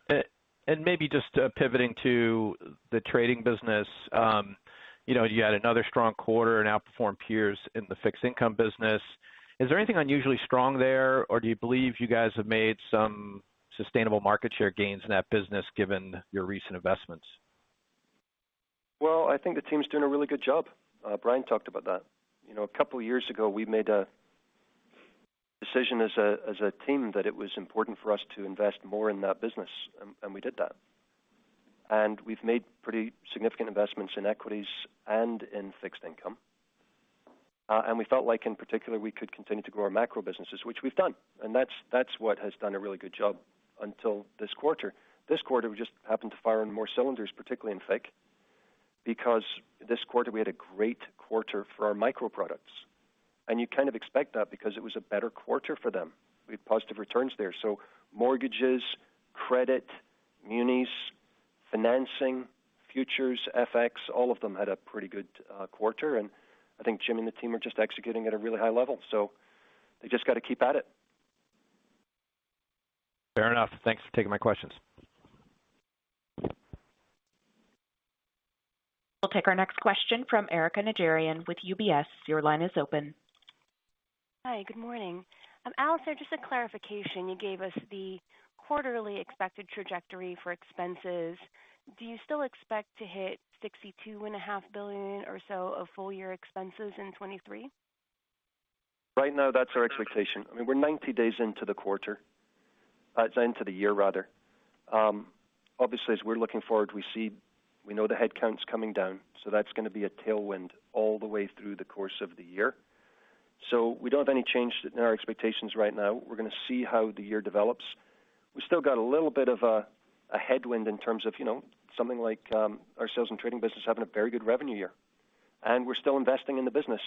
Maybe just pivoting to the trading business. you know, you had another strong quarter and outperformed peers in the fixed income business. Is there anything unusually strong there, or do you believe you guys have made some sustainable market share gains in that business given your recent investments? Well, I think the team's doing a really good job. Brian talked about that. You know, a couple years ago, we made a decision as a team that it was important for us to invest more in that business, and we did that. We've made pretty significant investments in equities and in fixed income. We felt like, in particular, we could continue to grow our macro businesses, which we've done. That's what has done a really good job until this quarter. This quarter, we just happened to fire on more cylinders, particularly in FIC, because this quarter we had a great quarter for our micro products. You kind of expect that because it was a better quarter for them. We had positive returns there. Mortgages, credit, munis, financing, futures, FX, all of them had a pretty good quarter. I think Jim and the team are just executing at a really high level. They just got to keep at it. Fair enough. Thanks for taking my questions. We'll take our next question from Erika Najarian with UBS. Your line is open. Hi, good morning. Alastair, just a clarification. You gave us the quarterly expected trajectory for expenses. Do you still expect to hit $62.5 billion or so of full-year expenses in 2023? Right now, that's our expectation. I mean, we're 90 days into the quarter, into the year rather. Obviously, as we're looking forward, we know the headcount's coming down, that's gonna be a tailwind all the way through the course of the year. We don't have any change in our expectations right now. We're gonna see how the year develops. We still got a little bit of a headwind in terms of, you know, something like our sales and trading business having a very good revenue year. We're still investing in the business.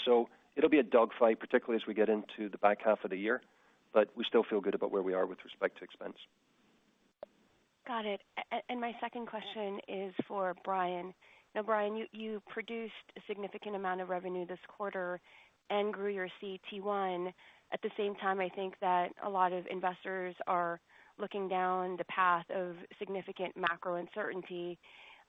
It'll be a dogfight, particularly as we get into the back half of the year, but we still feel good about where we are with respect to expense. Got it. My second question is for Brian. Now, Brian, you produced a significant amount of revenue this quarter and grew your CET1. At the same time, I think that a lot of investors are looking down the path of significant macro uncertainty.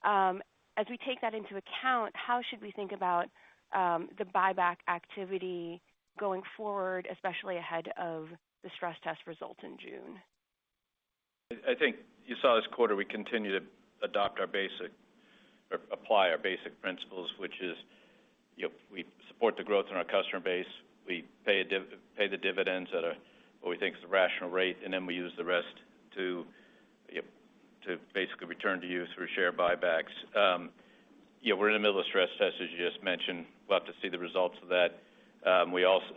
As we take that into account, how should we think about the buyback activity going forward, especially ahead of the stress test results in June? I think you saw this quarter, we continue to apply our basic principles, which is, you know, we support the growth in our customer base. We pay the dividends at a, what we think is a rational rate, and then we use the rest to, you know, to basically return to you through share buybacks. Yeah, we're in the middle of stress test, as you just mentioned. We'll have to see the results of that. We also.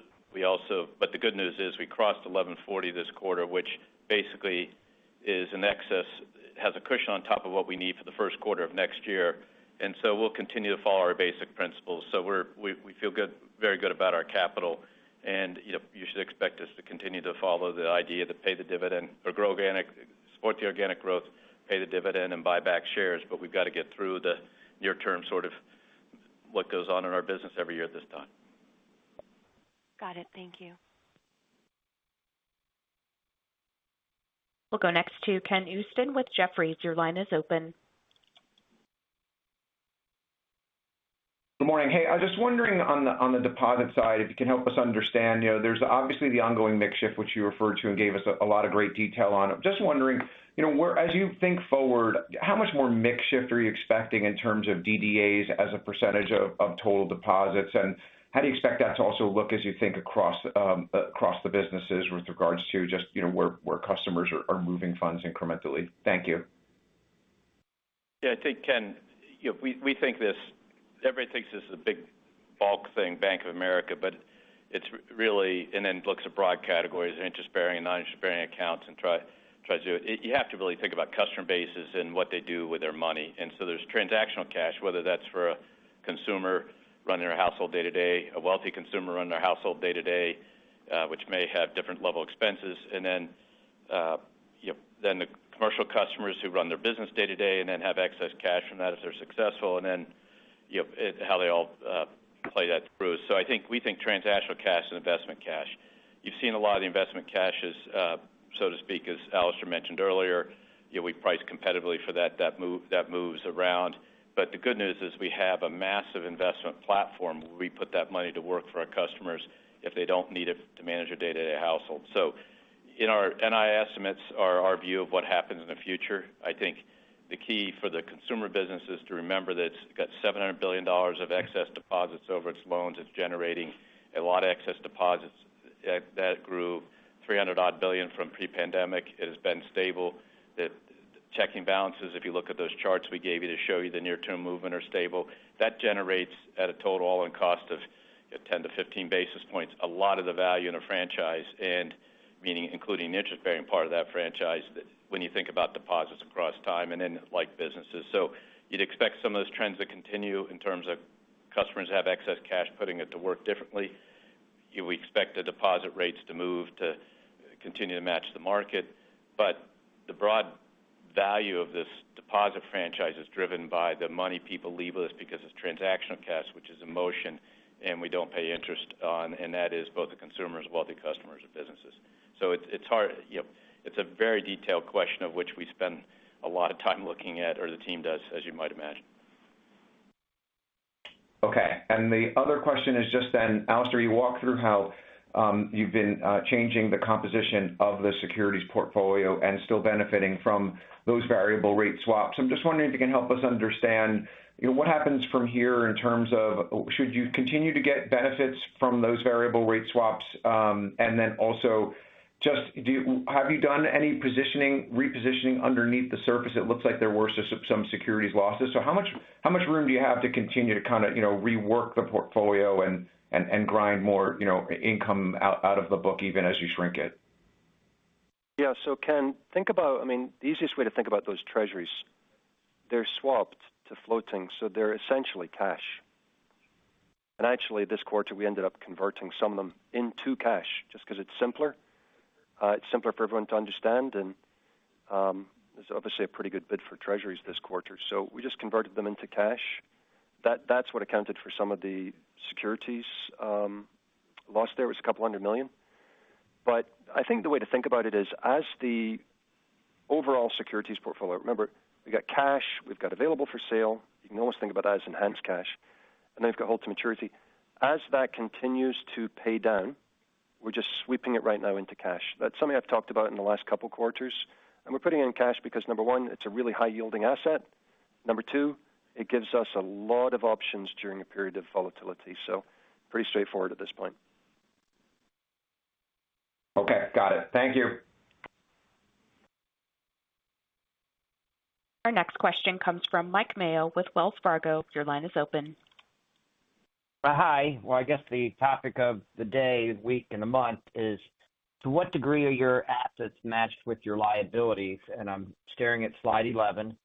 The good news is we crossed 11.40 this quarter, which basically is an excess, has a cushion on top of what we need for the first quarter of next year. We'll continue to follow our basic principles. We feel good, very good about our capital. You know, you should expect us to continue to follow the idea to pay the dividend or grow organic, support the organic growth, pay the dividend, and buy back shares. We've got to get through the near term, sort of what goes on in our business every year at this time. Got it. Thank you. We'll go next to Ken Usdin with Jefferies. Your line is open. Good morning. Hey, I was just wondering on the deposit side, if you can help us understand. You know, there's obviously the ongoing mix shift, which you referred to and gave us a lot of great detail on. Just wondering, you know, as you think forward, how much more mix shift are you expecting in terms of DDAs as a percentage of total deposits? How do you expect that to also look as you think across the businesses with regards to just, you know, where customers are moving funds incrementally? Thank you. I think, Ken, you know, we think this everybody thinks this is a big bulk thing, Bank of America, but it's really, and then looks at broad categories, interest-bearing, non-interest-bearing accounts, and try to do it. You have to really think about customer bases and what they do with their money. There's transactional cash, whether that's for a consumer running their household day-to-day, a wealthy consumer running their household day-to-day, which may have different level expenses. You know, then the commercial customers who run their business day-to-day and then have excess cash from that if they're successful, and then, you know, how they all play that through. I think we think transactional cash and investment cash. You've seen a lot of the investment cashes, so to speak, as Alastair mentioned earlier. You know, we price competitively for that move, that moves around. The good news is we have a massive investment platform where we put that money to work for our customers if they don't need it to manage their day-to-day household. In our NII estimates are our view of what happens in the future. I think the key for the consumer business is to remember that it's got $700 billion of excess deposits over its loans. It's generating a lot of excess deposits. That grew $300 odd billion from pre-pandemic. It has been stable. The checking balances, if you look at those charts we gave you to show you the near-term movement are stable. That generates at a total all-in cost of 10 to 15 basis points. A lot of the value in a franchise and meaning including the interest-bearing part of that franchise when you think about deposits across time and in like businesses. You'd expect some of those trends to continue in terms of customers have excess cash, putting it to work differently. You would expect the deposit rates to move to continue to match the market. The broad value of this deposit franchise is driven by the money people leave with us because it's transactional cash, which is in motion and we don't pay interest on, and that is both the consumers, wealthy customers, and businesses. It's hard, you know, it's a very detailed question of which we spend a lot of time looking at or the team does, as you might imagine. The other question is just then, Alastair, you walked through how you've been changing the composition of the securities portfolio and still benefiting from those variable rate swaps. I'm just wondering if you can help us understand, you know, what happens from here in terms of should you continue to get benefits from those variable rate swaps? And then also just have you done any positioning, repositioning underneath the surface? It looks like there were some securities losses. How much room do you have to continue to kind of, you know, rework the portfolio and grind more, you know, income out of the book even as you shrink it? Ken, think about. I mean, the easiest way to think about those treasuries, they're swapped to floating, so they're essentially cash. Actually, this quarter we ended up converting some of them into cash just because it's simpler. It's simpler for everyone to understand. There's obviously a pretty good bid for treasuries this quarter. We just converted them into cash. That's what accounted for some of the securities loss there was a $200 million. I think the way to think about it is as the overall securities portfolio. Remember, we've got cash, we've got Available for Sale. You can almost think about that as enhanced cash. We've got Held-to-Maturity. As that continues to pay down, we're just sweeping it right now into cash. That's something I've talked about in the last couple quarters. We're putting it in cash because number one, it's a really high yielding asset. Number two, it gives us a lot of options during a period of volatility. Pretty straightforward at this point. Okay. Got it. Thank you. Our next question comes from Mike Mayo with Wells Fargo. Your line is open. Hi. Well, I guess the topic of the day, week, and the month is to what degree are your assets matched with your liabilities? I'm staring at slide 11,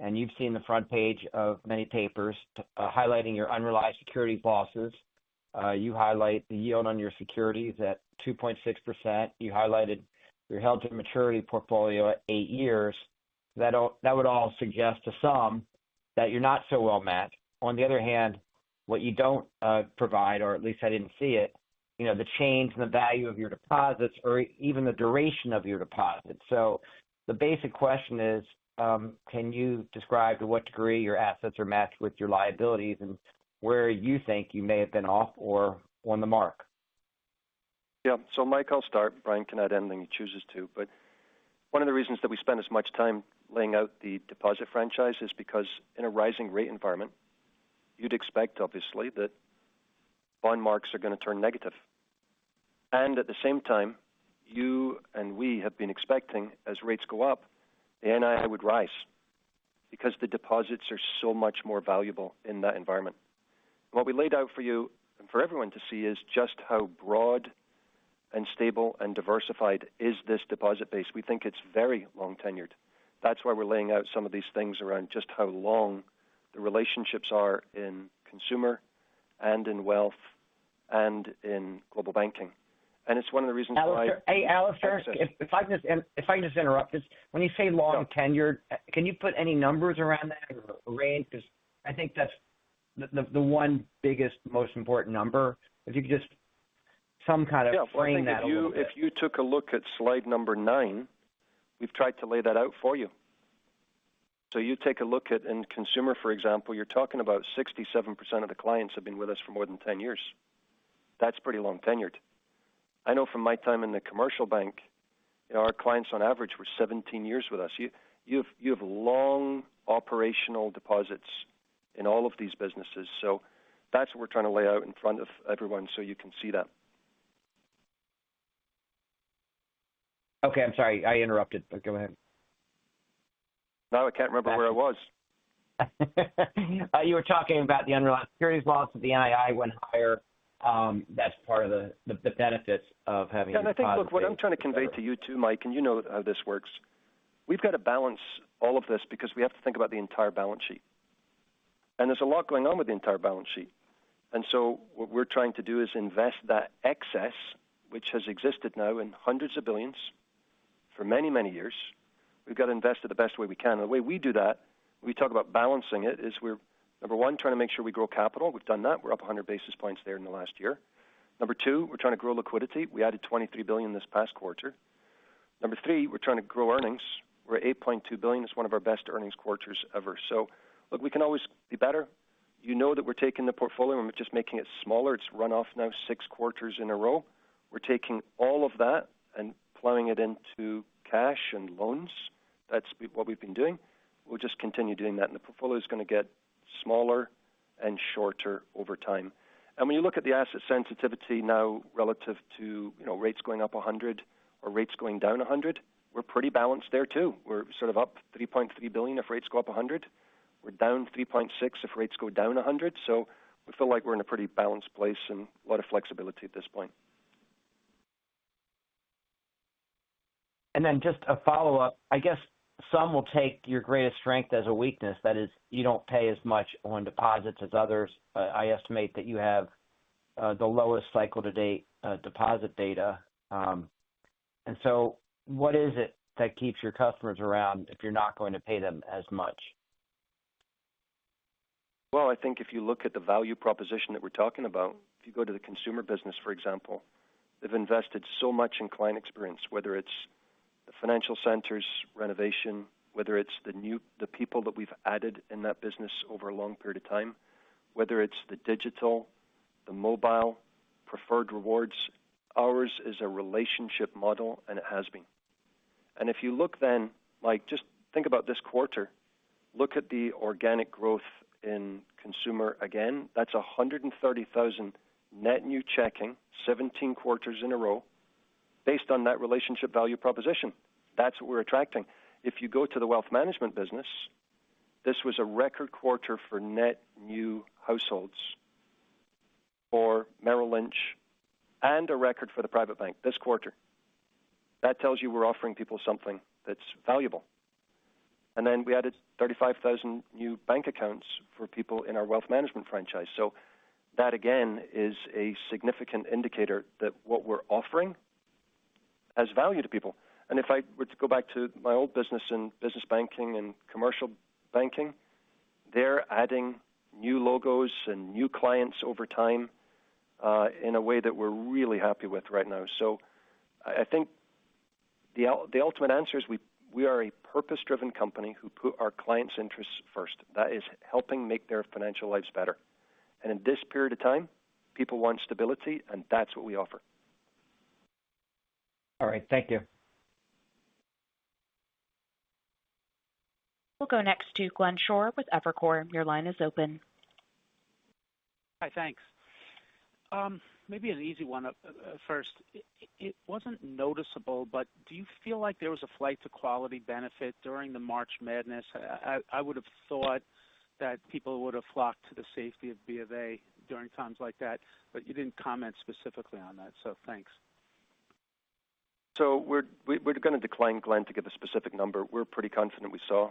and you've seen the front page of many papers, highlighting your unrealized security losses. You highlight the yield on your securities at 2.6%. You highlighted your held to maturity portfolio at eight years. That would all suggest to some that you're not so well matched. On the other hand, what you don't provide, or at least I didn't see it, you know, the change in the value of your deposits or even the duration of your deposits. The basic question is, can you describe to what degree your assets are matched with your liabilities and where you think you may have been off or on the mark? Yeah. Mike, I'll start. Brian can add anything he chooses to. One of the reasons that we spend as much time laying out the deposit franchise is because in a rising rate environment, you'd expect obviously that bond marks are going to turn negative. At the same time, you and we have been expecting as rates go up, the NII would rise because the deposits are so much more valuable in that environment. What we laid out for you and for everyone to see is just how broad and stable and diversified is this deposit base. We think it's very long-tenured. That's why we're laying out some of these things around just how long the relationships are in consumer and in wealth and in global banking. It's one of the reasons why. Alastair, if I can just interrupt. When you say long tenured, can you put any numbers around that or range? Because I think that's the one biggest, most important number. If you could just some kind of frame that a little bit. If you took a look at slide nine, we've tried to lay that out for you. You take a look at in consumer, for example, you're talking about 67% of the clients have been with us for more than 10 years. That's pretty long tenured. I know from my time in the commercial bank, our clients on average were 17 years with us. You have long operational deposits in all of these businesses. That's what we're trying to lay out in front of everyone so you can see that. Okay. I'm sorry I interrupted. Go ahead. I can't remember where I was. You were talking about the unrealized securities loss of the NII went higher. That's part of the benefits of having. I think, look, what I'm trying to convey to you too, Mike, and you know how this works. We've got to balance all of this because we have to think about the entire balance sheet. There's a lot going on with the entire balance sheet. What we're trying to do is invest that excess, which has existed now in $100s of billions for many, many years. We've got to invest it the best way we can. The way we do that, we talk about balancing it, is we're, Number one, trying to make sure we grow capital. We've done that. We're up 100 basis points there in the last year. Number two, we're trying to grow liquidity. We added $23 billion this past quarter. Number three, we're trying to grow earnings. We're at $8.2 billion. It's one of our best earnings quarters ever. Look, we can always be better. You know that we're taking the portfolio and we're just making it smaller. It's run off now six quarters in a row. We're taking all of that and plowing it into cash and loans. That's what we've been doing. We'll just continue doing that, and the portfolio is gonna get smaller and shorter over time. When you look at the asset sensitivity now relative to, you know, rates going up 100 or rates going down 100, we're pretty balanced there too. We're sort of up $3.3 billion if rates go up 100. We're down $3.6 billion if rates go down 100. We feel like we're in a pretty balanced place and a lot of flexibility at this point. Just a follow-up. I guess some will take your greatest strength as a weakness. That is, you don't pay as much on deposits as others. I estimate that you have the lowest cycle to date deposit data. What is it that keeps your customers around if you're not going to pay them as much? I think if you look at the value proposition that we're talking about, if you go to the consumer business, for example, they've invested so much in client experience, whether it's the financial centers renovation, whether it's the people that we've added in that business over a long period of time, whether it's the digital, the mobile, Preferred Rewards. Ours is a relationship model, and it has been. If you look then, like, just think about this quarter, look at the organic growth in consumer again. That's 130,000 net new checking 17 quarters in a row based on that relationship value proposition. That's what we're attracting. If you go to the wealth management business, this was a record quarter for net new households for Merrill Lynch and a record for the private bank this quarter. That tells you we're offering people something that's valuable. Then we added 35,000 new bank accounts for people in our wealth management franchise. That again is a significant indicator that what we're offering has value to people. If I were to go back to my old business in business banking and commercial banking, they're adding new logos and new clients over time, in a way that we're really happy with right now. I think the ultimate answer is we are a purpose-driven company who put our clients' interests first. That is helping make their financial lives better. In this period of time, people want stability, and that's what we offer. All right. Thank you. We'll go next to Glenn Schorr with Evercore. Your line is open. Hi. Thanks. Maybe an easy one, first. It wasn't noticeable, but do you feel like there was a flight to quality benefit during the March Madness? I would have thought that people would have flocked to the safety of BofA during times like that, but you didn't comment specifically on that. Thanks. We're gonna decline Glenn to give a specific number. We're pretty confident we saw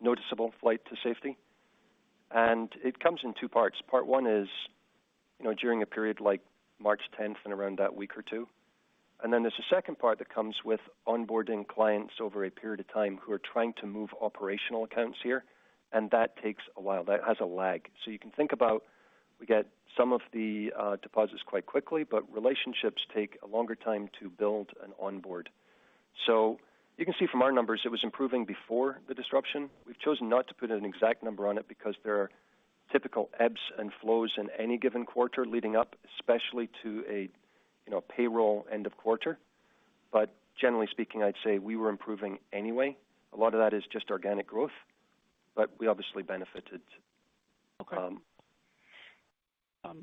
noticeable flight to safety. It comes in two parts. Part one is, you know, during a period like March 10th and around that week or two. There's a second part that comes with onboarding clients over a period of time who are trying to move operational accounts here, and that takes a while. That has a lag. You can think about we get some of the deposits quite quickly, but relationships take a longer time to build and onboard. You can see from our numbers, it was improving before the disruption. We've chosen not to put an exact number on it because there are typical ebbs and flows in any given quarter leading up, especially to a, you know, payroll end of quarter. Generally speaking, I'd say we were improving anyway. A lot of that is just organic growth, but we obviously benefited. Okay.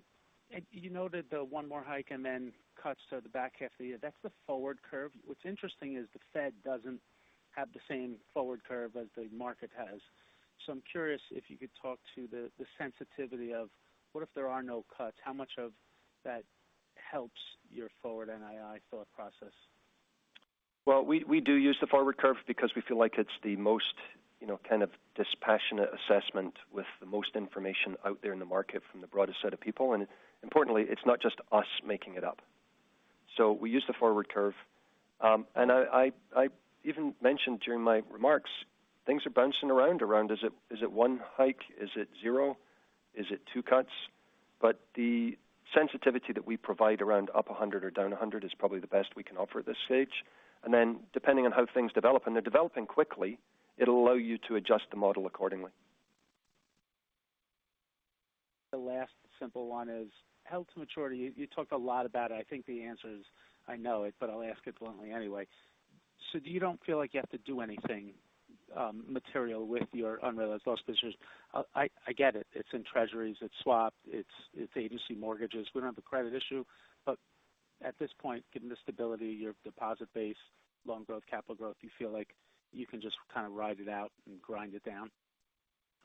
You noted the one more hike and then cuts to the back half of the year. That's the forward curve. What's interesting is the Fed doesn't have the same forward curve as the market has. I'm curious if you could talk to the sensitivity of what if there are no cuts, how much of that helps your forward NII thought process? Well, we do use the forward curve because we feel like it's the most, you know, kind of dispassionate assessment with the most information out there in the market from the broadest set of people. Importantly, it's not just us making it up. We use the forward curve. I even mentioned during my remarks, things are bouncing around, is it one hike? Is it 0? Is it two cuts? The sensitivity that we provide around up 100 or down 100 is probably the best we can offer at this stage. Depending on how things develop, and they're developing quickly, it'll allow you to adjust the model accordingly. The last simple one is held to maturity. You talked a lot about it. I think the answer is I know it, but I'll ask it bluntly anyway. You don't feel like you have to do anything material with your unrealized loss business. I get it. It's in treasuries, it's swap, it's agency mortgages. We don't have a credit issue. At this point, given the stability, your deposit base, loan growth, capital growth, you feel like you can just kind of ride it out and grind it down.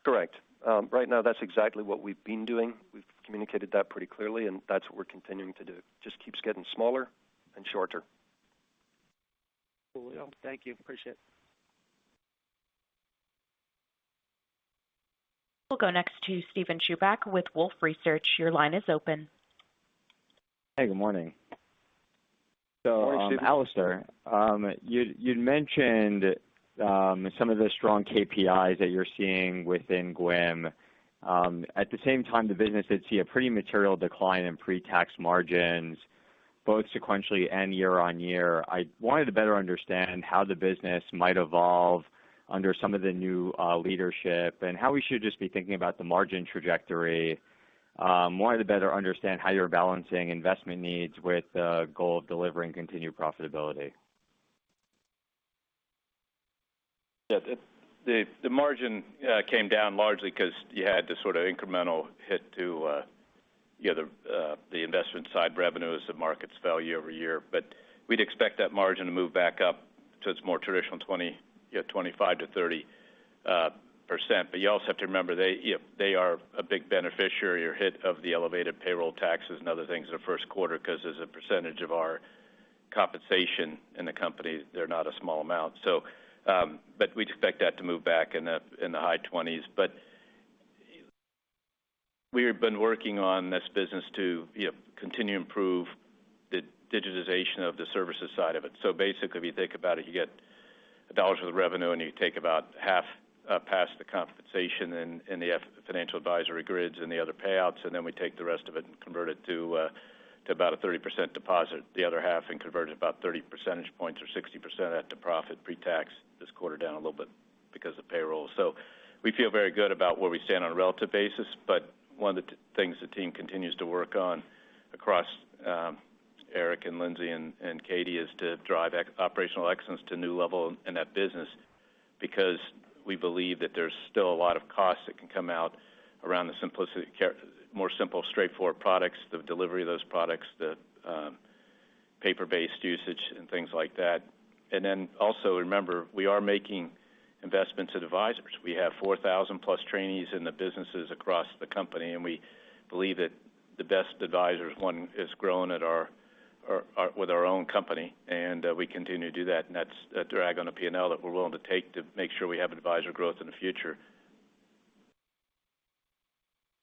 Correct. Right now that's exactly what we've been doing. We've communicated that pretty clearly, and that's what we're continuing to do. Just keeps getting smaller and shorter. Cool. Yeah. Thank you. Appreciate it. We'll go next to Steven Chubak with Wolfe Research. Your line is open. Hey, good morning. Good morning, Steven. Alastair, you'd mentioned some of the strong KPIs that you're seeing within GWIM. At the same time, the business did see a pretty material decline in pre-tax margins, both sequentially and year-on-year. I wanted to better understand how the business might evolve under some of the new leadership and how we should just be thinking about the margin trajectory. Wanted to better understand how you're balancing investment needs with the goal of delivering continued profitability. The margin came down largely because you had this sort of incremental hit to, you know, the investment side revenues, the markets value over year. We'd expect that margin to move back up to its more traditional 25-30%. You also have to remember they are a big beneficiary or hit of the elevated payroll taxes and other things in the first quarter because as a percentage of our compensation in the company, they're not a small amount. We'd expect that to move back in the high 20s. We have been working on this business to, you know, continue to improve the digitization of the services side of it. Basically, if you think about it, you get $1 for the revenue, and you take about half past the compensation and the financial advisory grids and the other payouts, and then we take the rest of it and convert it to about a 30% deposit. The other half and convert it about 30 percentage points or 60% of that to profit pre-tax this quarter down a little bit because of payroll. We feel very good about where we stand on a relative basis. One of the things the team continues to work on across Eric and Lindsay and Katy is to drive operational excellence to new level in that business because we believe that there's still a lot of costs that can come out around the simplicity more simple, straightforward products, the delivery of those products, the paper-based usage and things like that. Also remember, we are making investments to the advisors. We have 4,000+ trainees in the businesses across the company, and we believe that the best advisors one is growing at our or with our own company, and we continue to do that. That's a drag on the P&L that we're willing to take to make sure we have advisor growth in the future.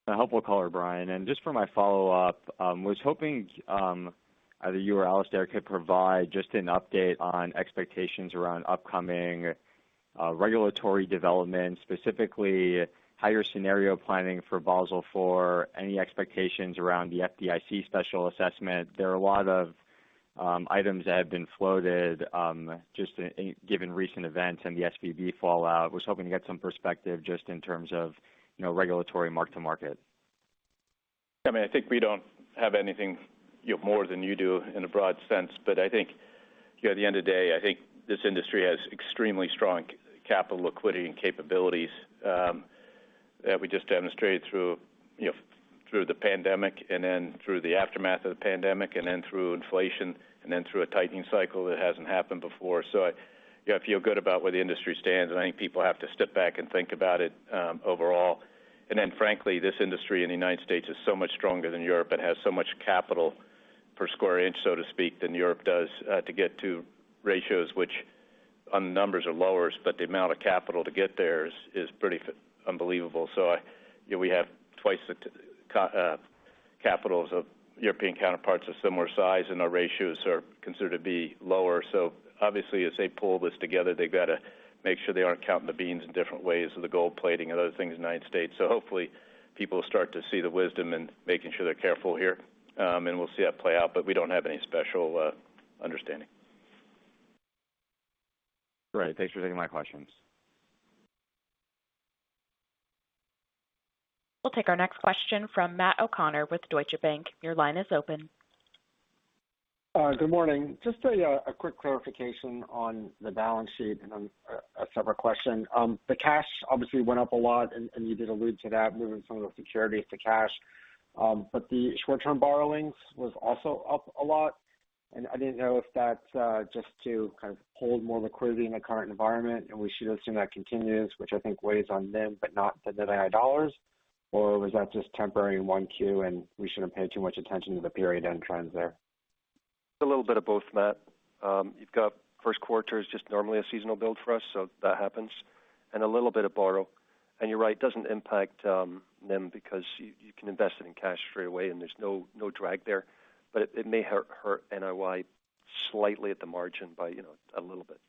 I hope we'll call her Brian. Just for my follow-up, was hoping either you or Alastair could provide just an update on expectations around upcoming regulatory developments, specifically how your scenario planning for Basel IV, any expectations around the FDIC special assessment. There are a lot of items that have been floated just in given recent events and the SVB fallout. Was hoping to get some perspective just in terms of, you know, regulatory mark-to-market? I mean, I think we don't have anything, you know, more than you do in a broad sense. I think, you know, at the end of the day, I think this industry has extremely strong capital liquidity and capabilities that we just demonstrated through, you know, through the pandemic and then through the aftermath of the pandemic and then through inflation and then through a tightening cycle that hasn't happened before. I, you know, feel good about where the industry stands, and I think people have to step back and think about it overall. Frankly, this industry in the United States is so much stronger than Europe. It has so much capital per square inch, so to speak, than Europe does to get to ratios which on numbers are lowers, but the amount of capital to get there is pretty unbelievable. You know, we have twice the capitals of European counterparts of similar size, and our ratios are considered to be lower. Obviously, as they pull this together, they've got to make sure they aren't counting the beans in different ways of the gold plating and other things in the United States. Hopefully people will start to see the wisdom in making sure they're careful here. We'll see that play out, but we don't have any special understanding. Great. Thanks for taking my questions. We'll take our next question from Matt O'Connor with Deutsche Bank. Your line is open. Good morning. Just a quick clarification on the balance sheet and then a separate question. The cash obviously went up a lot and you did allude to that, moving some of the securities to cash. The short-term borrowings was also up a lot, and I didn't know if that's just to kind of hold more liquidity in the current environment, and we should assume that continues, which I think weighs on NIM, but not the NII dollars. Was that just temporary in 1Q and we shouldn't pay too much attention to the period end trends there? A little bit of both, Matt. You've got first quarter is just normally a seasonal build for us, so that happens and a little bit of borrow. You're right, it doesn't impact, NIM because you can invest it in cash straight away and there's no drag there. It may hurt NOI slightly at the margin by, you know, a little bit.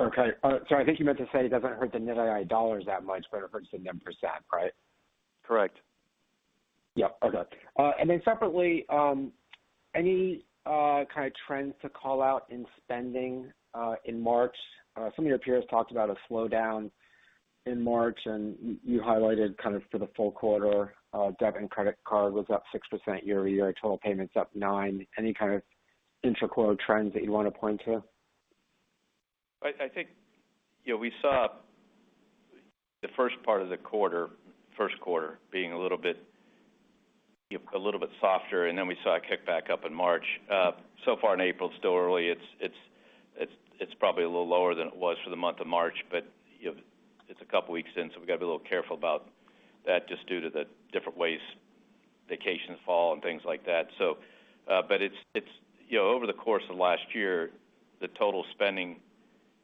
Okay. Sorry. I think you meant to say it doesn't hurt the NII dollars that much, but it hurts the NIM percent, right? Correct. Yeah. Okay. Separately, any kind of trends to call out in spending in March? Some of your peers talked about a slowdown in March, and you highlighted kind of for the full quarter, debt and credit card was up 6% year-over-year, total payments up 9%. Any kind of intra-quarter trends that you want to point to? I think, you know, we saw the first part of the quarter, first quarter being a little bit, you know, a little bit softer, and then we saw it kick back up in March. Far in April, it's still early. It's probably a little lower than it was for the month of March, but, you know, it's a couple weeks in, so we've got to be a little careful about that just due to the different ways vacations fall and things like that. It's. You know, over the course of last year, the total spending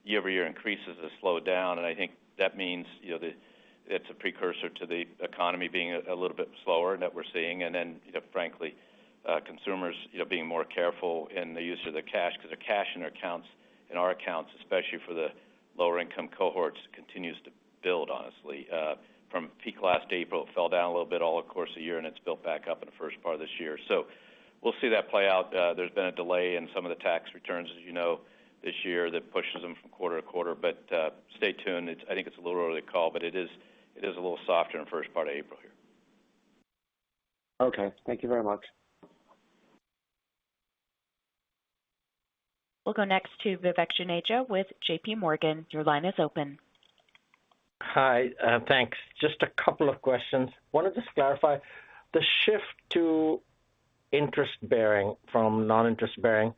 year-over-year increases has slowed down. I think that means, you know, it's a precursor to the economy being a little bit slower that we're seeing. You know, frankly, consumers, you know, being more careful in the use of their cash because the cash in our accounts, especially for the lower income cohorts, continues to build, honestly. From peak last April, it fell down a little bit all across the year, and it's built back up in the first part of this year. We'll see that play out. There's been a delay in some of the tax returns, as you know, this year that pushes them from quarter to quarter. stay tuned. I think it's a little early to call, but it is a little softer in the first part of April here. Okay. Thank you very much. We'll go next to Vivek Juneja with JPMorgan. Your line is open. Hi, thanks. Just a couple of questions. Wanted to just clarify the shift to interest bearing from non-interest bearing.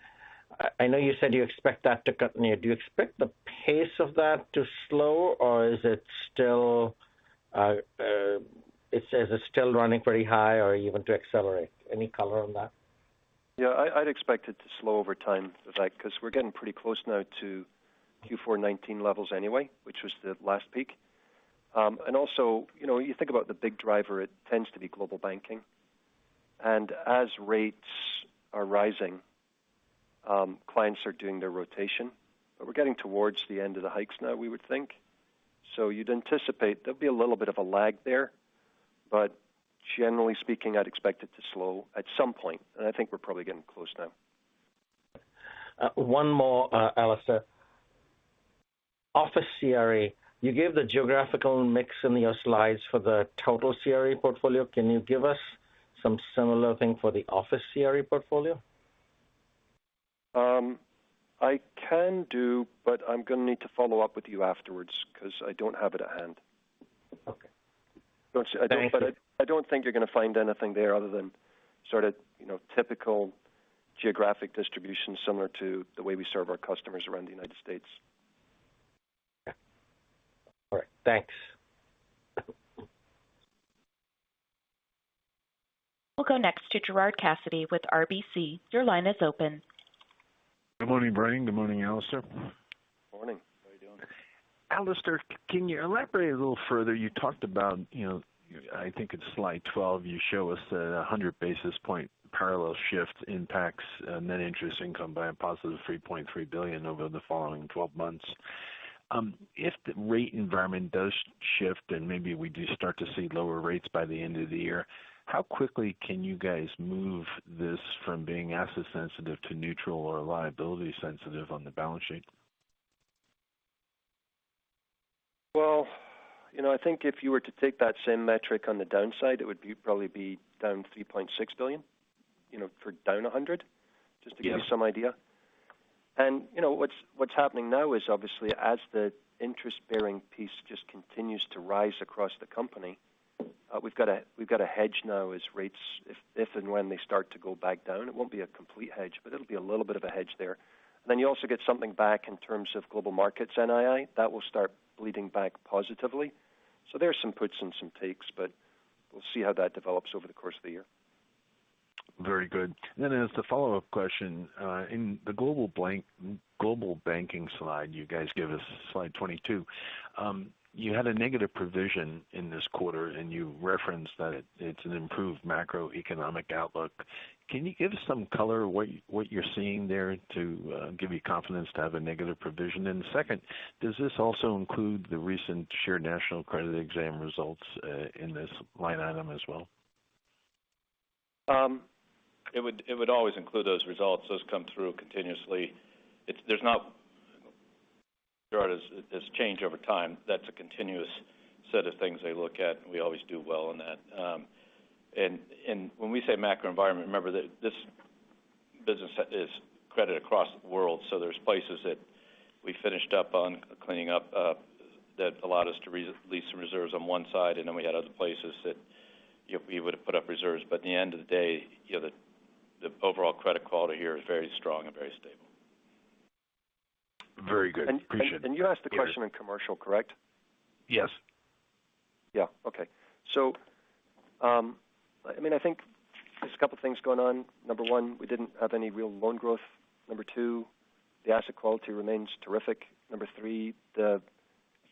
I know you said you expect that to continue. Do you expect the pace of that to slow, or is it still, it says it's still running pretty high or even to accelerate? Any color on that? Yeah. I'd expect it to slow over time, Vivek, because we're getting pretty close now to Q4 19 levels anyway, which was the last peak. Also, you know, you think about the big driver, it tends to be global banking. As rates are rising, clients are doing their rotation. We're getting towards the end of the hikes now, we would think. You'd anticipate there'll be a little bit of a lag there. Generally speaking, I'd expect it to slow at some point. I think we're probably getting close now. One more, Alastair. Office CRE. You gave the geographical mix in your slides for the total CRE portfolio. Can you give us some similar thing for the office CRE portfolio? I can do, but I'm gonna need to follow up with you afterwards because I don't have it at hand. Okay. I don't think you're gonna find anything there other than sort of, you know, typical geographic distribution similar to the way we serve our customers around the United States. Yeah. All right. Thanks. We'll go next to Gerard Cassidy with RBC. Your line is open. Good morning, Brian. Good morning, Alastair. Morning. How are you doing? Alastair, can you elaborate a little further? You talked about, you know, I think it's slide 12, you show us that 100 basis point parallel shift impacts net interest income by a positive $3.3 billion over the following 12 months. If the rate environment does shift and maybe we do start to see lower rates by the end of the year, how quickly can you guys move this from being asset sensitive to neutral or liability sensitive on the balance sheet? Well, you know, I think if you were to take that same metric on the downside, it would probably be down $3.6 billion, you know, for down $100. Just to give you some idea. You know, what's happening now is obviously as the interest bearing piece just continues to rise across the company, we've got a, we've got a hedge now as rates if and when they start to go back down. It won't be a complete hedge, but it'll be a little bit of a hedge there. You also get something back in terms of Global Markets NII. That will start bleeding back positively. There's some puts and some takes, but we'll see how that develops over the course of the year. Very good. As the follow-up question, in the global banking slide you guys give us, slide 22, you had a negative provision in this quarter, and you referenced that it's an improved macroeconomic outlook. Can you give some color what you're seeing there to give you confidence to have a negative provision? Second, does this also include the recent Shared National Credit exam results in this line item as well? It would always include those results. Those come through continuously. There's not... Gerard, it's changed over time. That's a continuous set of things they look at, and we always do well in that. When we say macro environment, remember that this business set is credit across the world. There's places that we finished up on cleaning up that allowed us to re-lease some reserves on one side, and then we had other places that you would have put up reserves. At the end of the day, you know, the overall credit quality here is very strong and very stable. Very good. Appreciate it. You asked the question in commercial, correct? Yes. Yeah. Okay. I mean, I think there's a couple of things going on. Number one, we didn't have any real loan growth. Number two, the asset quality remains terrific. Number three, the,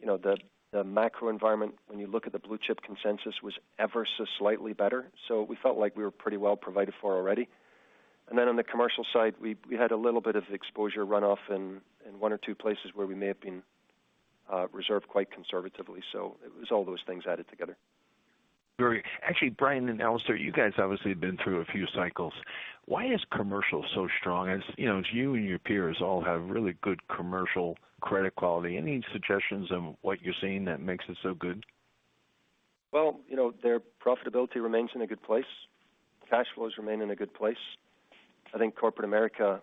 you know, the macro environment, when you look at the Blue Chip consensus, was ever so slightly better. We felt like we were pretty well provided for already. On the commercial side, we had a little bit of exposure runoff in one or two places where we may have been reserved quite conservatively. It was all those things added together. Very good. Actually, Brian and Alastair, you guys obviously have been through a few cycles. Why is commercial so strong? As you know, you and your peers all have really good commercial credit quality. Any suggestions on what you're seeing that makes it so good? Well, you know, their profitability remains in a good place. Cash flows remain in a good place. I think corporate America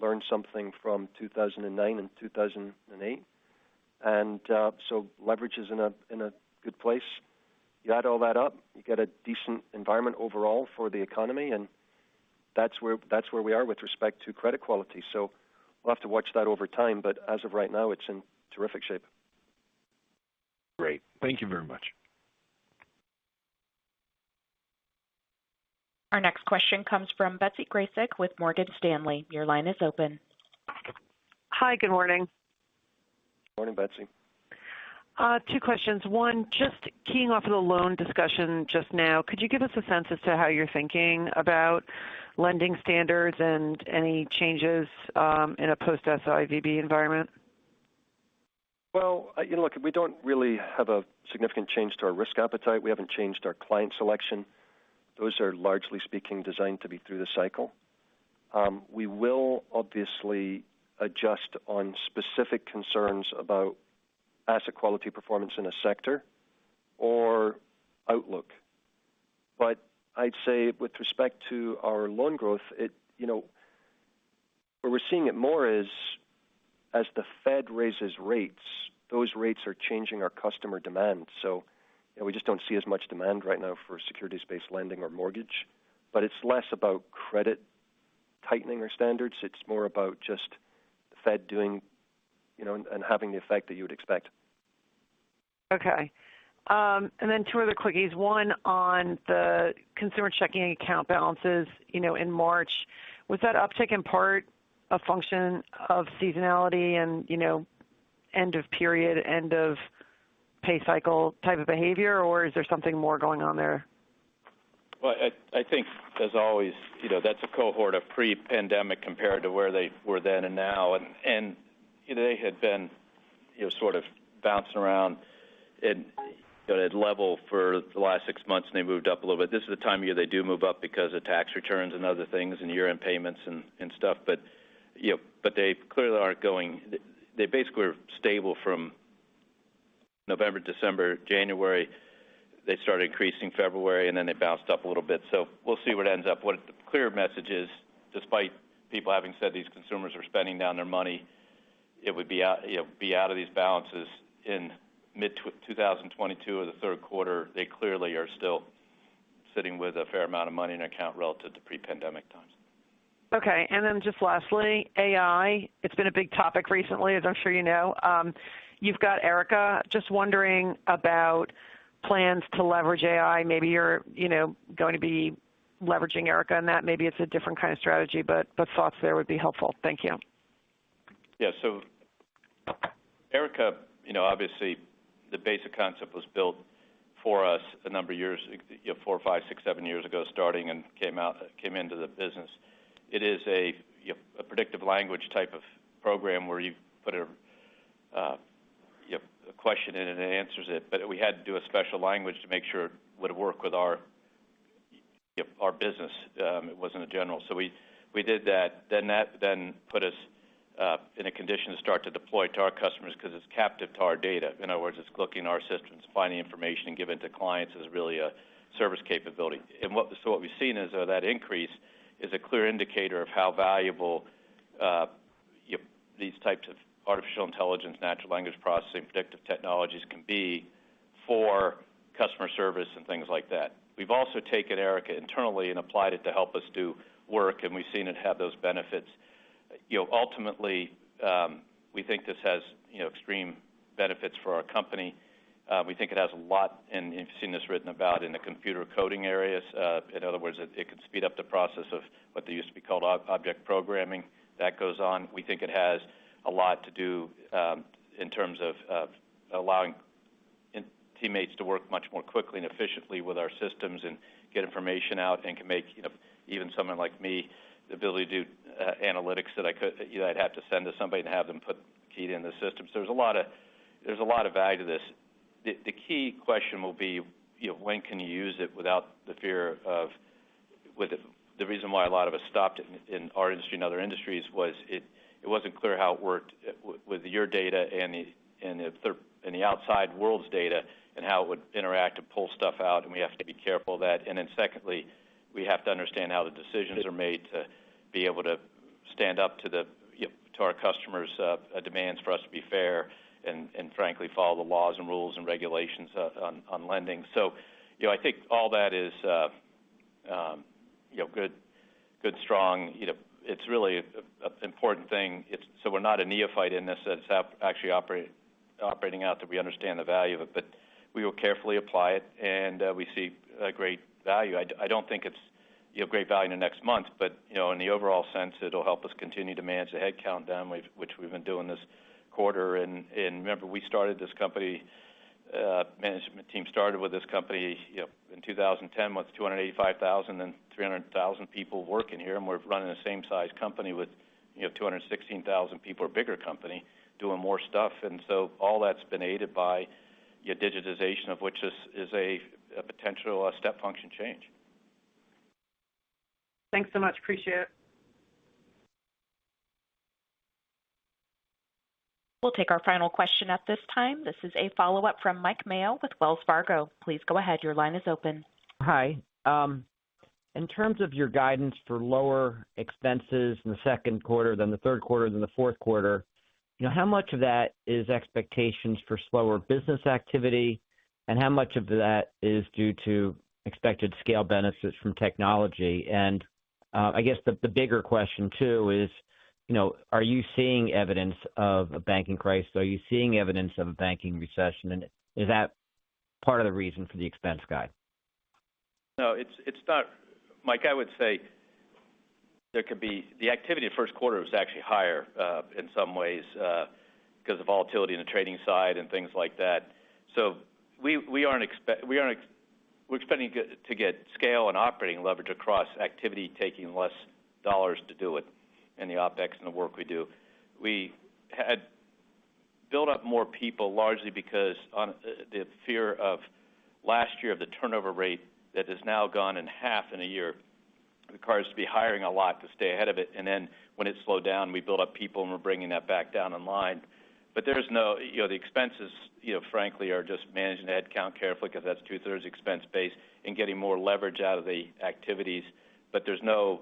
learned something from 2009 and 2008. Leverage is in a good place. You add all that up, you get a decent environment overall for the economy, and that's where we are with respect to credit quality. We'll have to watch that over time, but as of right now, it's in terrific shape. Great. Thank you very much. Our next question comes from Betsy Graseck with Morgan Stanley. Your line is open. Hi. Good morning. Morning, Betsy. Two questions. One, just keying off of the loan discussion just now, could you give us a sense as to how you're thinking about lending standards and any changes in a post SIVB environment? Well, you know, look, we don't really have a significant change to our risk appetite. We haven't changed our client selection. Those are, largely speaking, designed to be through the cycle. We will obviously adjust on specific concerns about asset quality performance in a sector or outlook. I'd say with respect to our loan growth, you know, where we're seeing it more is as the Fed raises rates, those rates are changing our customer demand. We just don't see as much demand right now for securities-based lending or mortgage. It's less about credit tightening our standards. It's more about just the Fed doing, you know, and having the effect that you would expect. Okay. Two other quickies. One on the consumer checking account balances, you know, in March. Was that uptick, in part, a function of seasonality and, you know, end of period, end of pay cycle type of behavior, or is there something more going on there? I think as always, you know, that's a cohort of pre-pandemic compared to where they were then and now. They had been, you know, sort of bouncing around at level for the last 6 months. They moved up a little bit. This is the time of year they do move up because of tax returns and other things and year-end payments and stuff. You know, they basically are stable from November, December, January. They started increasing February. They bounced up a little bit. We'll see what ends up. What a clear message is, despite people having said these consumers are spending down their money, it would be out, you know, be out of these balances in mid-2022 or the third quarter. They clearly are still sitting with a fair amount of money in account relative to pre-pandemic times. Just lastly, AI. It's been a big topic recently, as I'm sure you know. You've got Erica. Just wondering about plans to leverage AI. Maybe you're, you know, going to be leveraging Erica on that. Maybe it's a different kind of strategy, but thoughts there would be helpful. Thank you. Erica, you know, obviously the basic concept was built for us a number of years, you know, four, five, six, seven years ago, starting and came into the business. It is a predictive language type of program where you put a, you know, a question in and it answers it. We had to do a special language to make sure it would work with our business. It wasn't a general. We did that. That then put us in a condition to start to deploy to our customers because it's captive to our data. In other words, it's looking our systems, finding information, and giving it to clients is really a service capability. What we've seen is that increase is a clear indicator of how valuable these types of artificial intelligence, natural language processing, predictive technologies can be for customer service and things like that. We've also taken Erica internally and applied it to help us do work, and we've seen it have those benefits. You know, ultimately, we think this has, you know, extreme benefits for our company. We think it has a lot, and you've seen this written about in the computer coding areas. In other words, it could speed up the process of what they used to be called object programming. That goes on. We think it has a lot to do in terms of allowing teammates to work much more quickly and efficiently with our systems and get information out and can make even someone like me the ability to do analytics that I'd have to send to somebody to have them key it in the system. There's a lot of value to this. The key question will be, you know, when can you use it without the fear of. The reason why a lot of us stopped in our industry and other industries was it wasn't clear how it worked with your data and the outside world's data and how it would interact to pull stuff out. We have to be careful of that. Secondly, we have to understand how the decisions are made to be able to stand up to our customers' demands for us to be fair and frankly follow the laws and rules and regulations on lending. You know, I think all that is good, strong. You know, it's really an important thing. We're not a neophyte in this. It's actually operating out that we understand the value of it, but we will carefully apply it, and we see a great value. I don't think it's great value in the next month, but you know, in the overall sense, it'll help us continue to manage the headcount down, which we've been doing this quarter. Remember, we started this company, management team started with this company, you know, in 2010, with 285,000 and 300,000 people working here. We're running the same size company with, you know, 216,000 people or bigger company doing more stuff. All that's been aided by your digitization of which is a potential step function change. Thanks so much. Appreciate it. We'll take our final question at this time. This is a follow-up from Mike Mayo with Wells Fargo. Please go ahead. Your line is open. Hi. In terms of your guidance for lower expenses in the second quarter than the third quarter than the fourth quarter, you know, how much of that is expectations for slower business activity, and how much of that is due to expected scale benefits from technology? I guess the bigger question too is, you know, are you seeing evidence of a banking crisis? Are you seeing evidence of a banking recession? Is that part of the reason for the expense guide? No, it's not. Mike, I would say the activity in first quarter was actually higher in some ways because of volatility in the trading side and things like that. We aren't expecting to get scale and operating leverage across activity, taking less dollars to do it in the OpEx and the work we do. We had built up more people largely because on the fear of last year of the turnover rate that has now gone in half in a year. It requires to be hiring a lot to stay ahead of it. When it slowed down, we built up people and we're bringing that back down in line. There's no... You know, the expenses, you know, frankly are just managing the headcount carefully because that's two-thirds expense base and getting more leverage out of the activities. You know,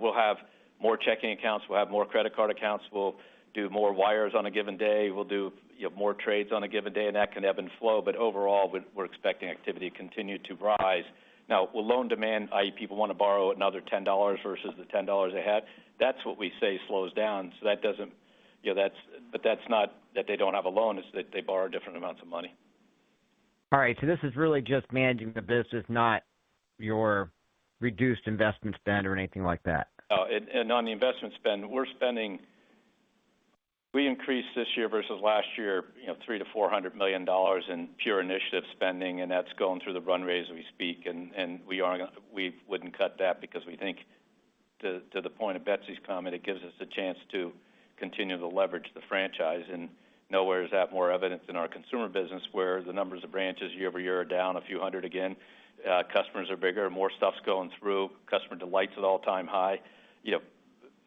we'll have more checking accounts, we'll have more credit card accounts, we'll do more wires on a given day. We'll do, you know, more trades on a given day, and that can ebb and flow. Overall, we're expecting activity to continue to rise. Will loan demand, i.e. people want to borrow another $10 versus the $10 they have? That's what we say slows down. You know, that's not that they don't have a loan, it's that they borrow different amounts of money. All right. This is really just managing the business, not your reduced investment spend or anything like that. No. On the investment spend, we're spending. We increased this year versus last year, you know, $300 million-$400 million in pure initiative spending, and that's going through the run raise as we speak. We wouldn't cut that because we think to the point of Betsy's comment, it gives us a chance to continue to leverage the franchise. Nowhere is that more evident than our consumer business, where the numbers of branches year-over-year are down a few hundred again. Customers are bigger, more stuff's going through, customer delight's at all-time high. You know,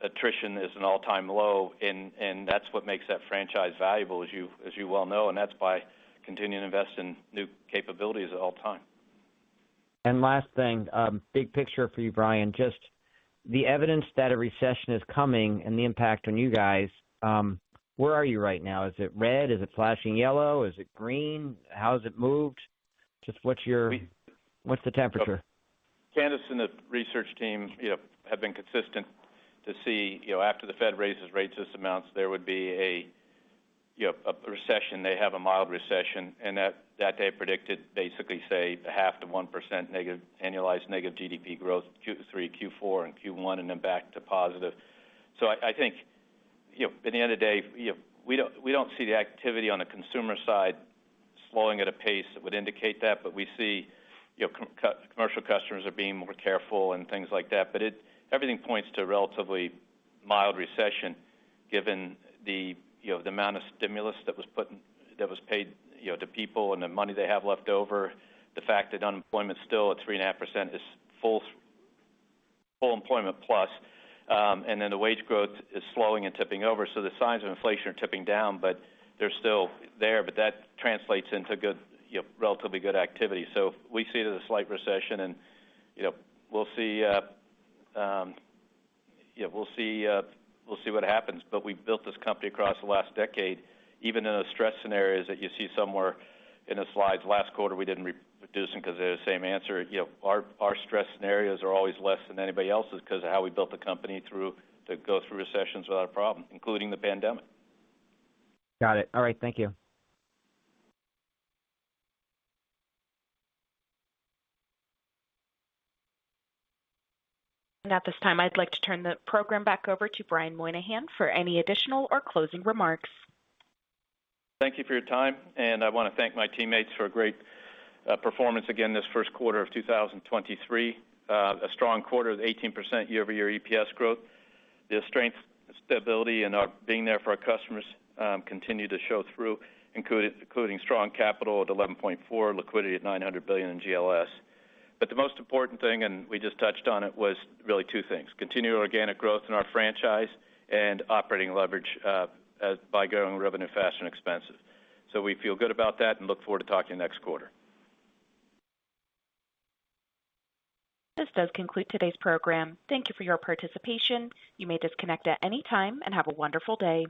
attrition is an all-time low. That's what makes that franchise valuable, as you well know, and that's by continuing to invest in new capabilities at all time. Last thing, big picture for you, Brian. Just the evidence that a recession is coming and the impact on you guys, where are you right now? Is it red? Is it flashing yellow? Is it green? How has it moved? What's the temperature? Candace and the research team, you know, have been consistent to see, you know, after the Fed raises rates this amounts, there would be a, you know, a recession. They have a mild recession. That day predicted basically say 0.5% to 1% annualized negative GDP growth, Q3, Q4, and Q1, and then back to positive. I think, you know, at the end of the day, you know, we don't, we don't see the activity on the consumer side slowing at a pace that would indicate that. We see, you know, commercial customers are being more careful and things like that. Everything points to a relatively mild recession given the, you know, the amount of stimulus that was paid, you know, to people and the money they have left over. The fact that unemployment's still at 3.5% is full employment plus. The wage growth is slowing and tipping over. The signs of inflation are tipping down, but they're still there. That translates into good, you know, relatively good activity. We see it as a slight recession and, you know, we'll see, you know, we'll see what happens. We've built this company across the last decade, even in the stress scenarios that you see somewhere in the slides. Last quarter, we didn't reproduce them because they're the same answer. You know, our stress scenarios are always less than anybody else's because of how we built the company to go through recessions without a problem, including the pandemic. Got it. All right. Thank you. At this time, I'd like to turn the program back over to Brian Moynihan for any additional or closing remarks. Thank you for your time. I want to thank my teammates for a great performance again this first quarter of 2023. A strong quarter of 18% year-over-year EPS growth. The strength, stability, and our being there for our customers continue to show through, including strong capital at 11.4, liquidity at $900 billion in GLS. The most important thing, and we just touched on it, was really two things, continued organic growth in our franchise and operating leverage by growing revenue faster than expenses. We feel good about that and look forward to talking to you next quarter. This does conclude today's program. Thank you for your participation. You may disconnect at any time, and have a wonderful day.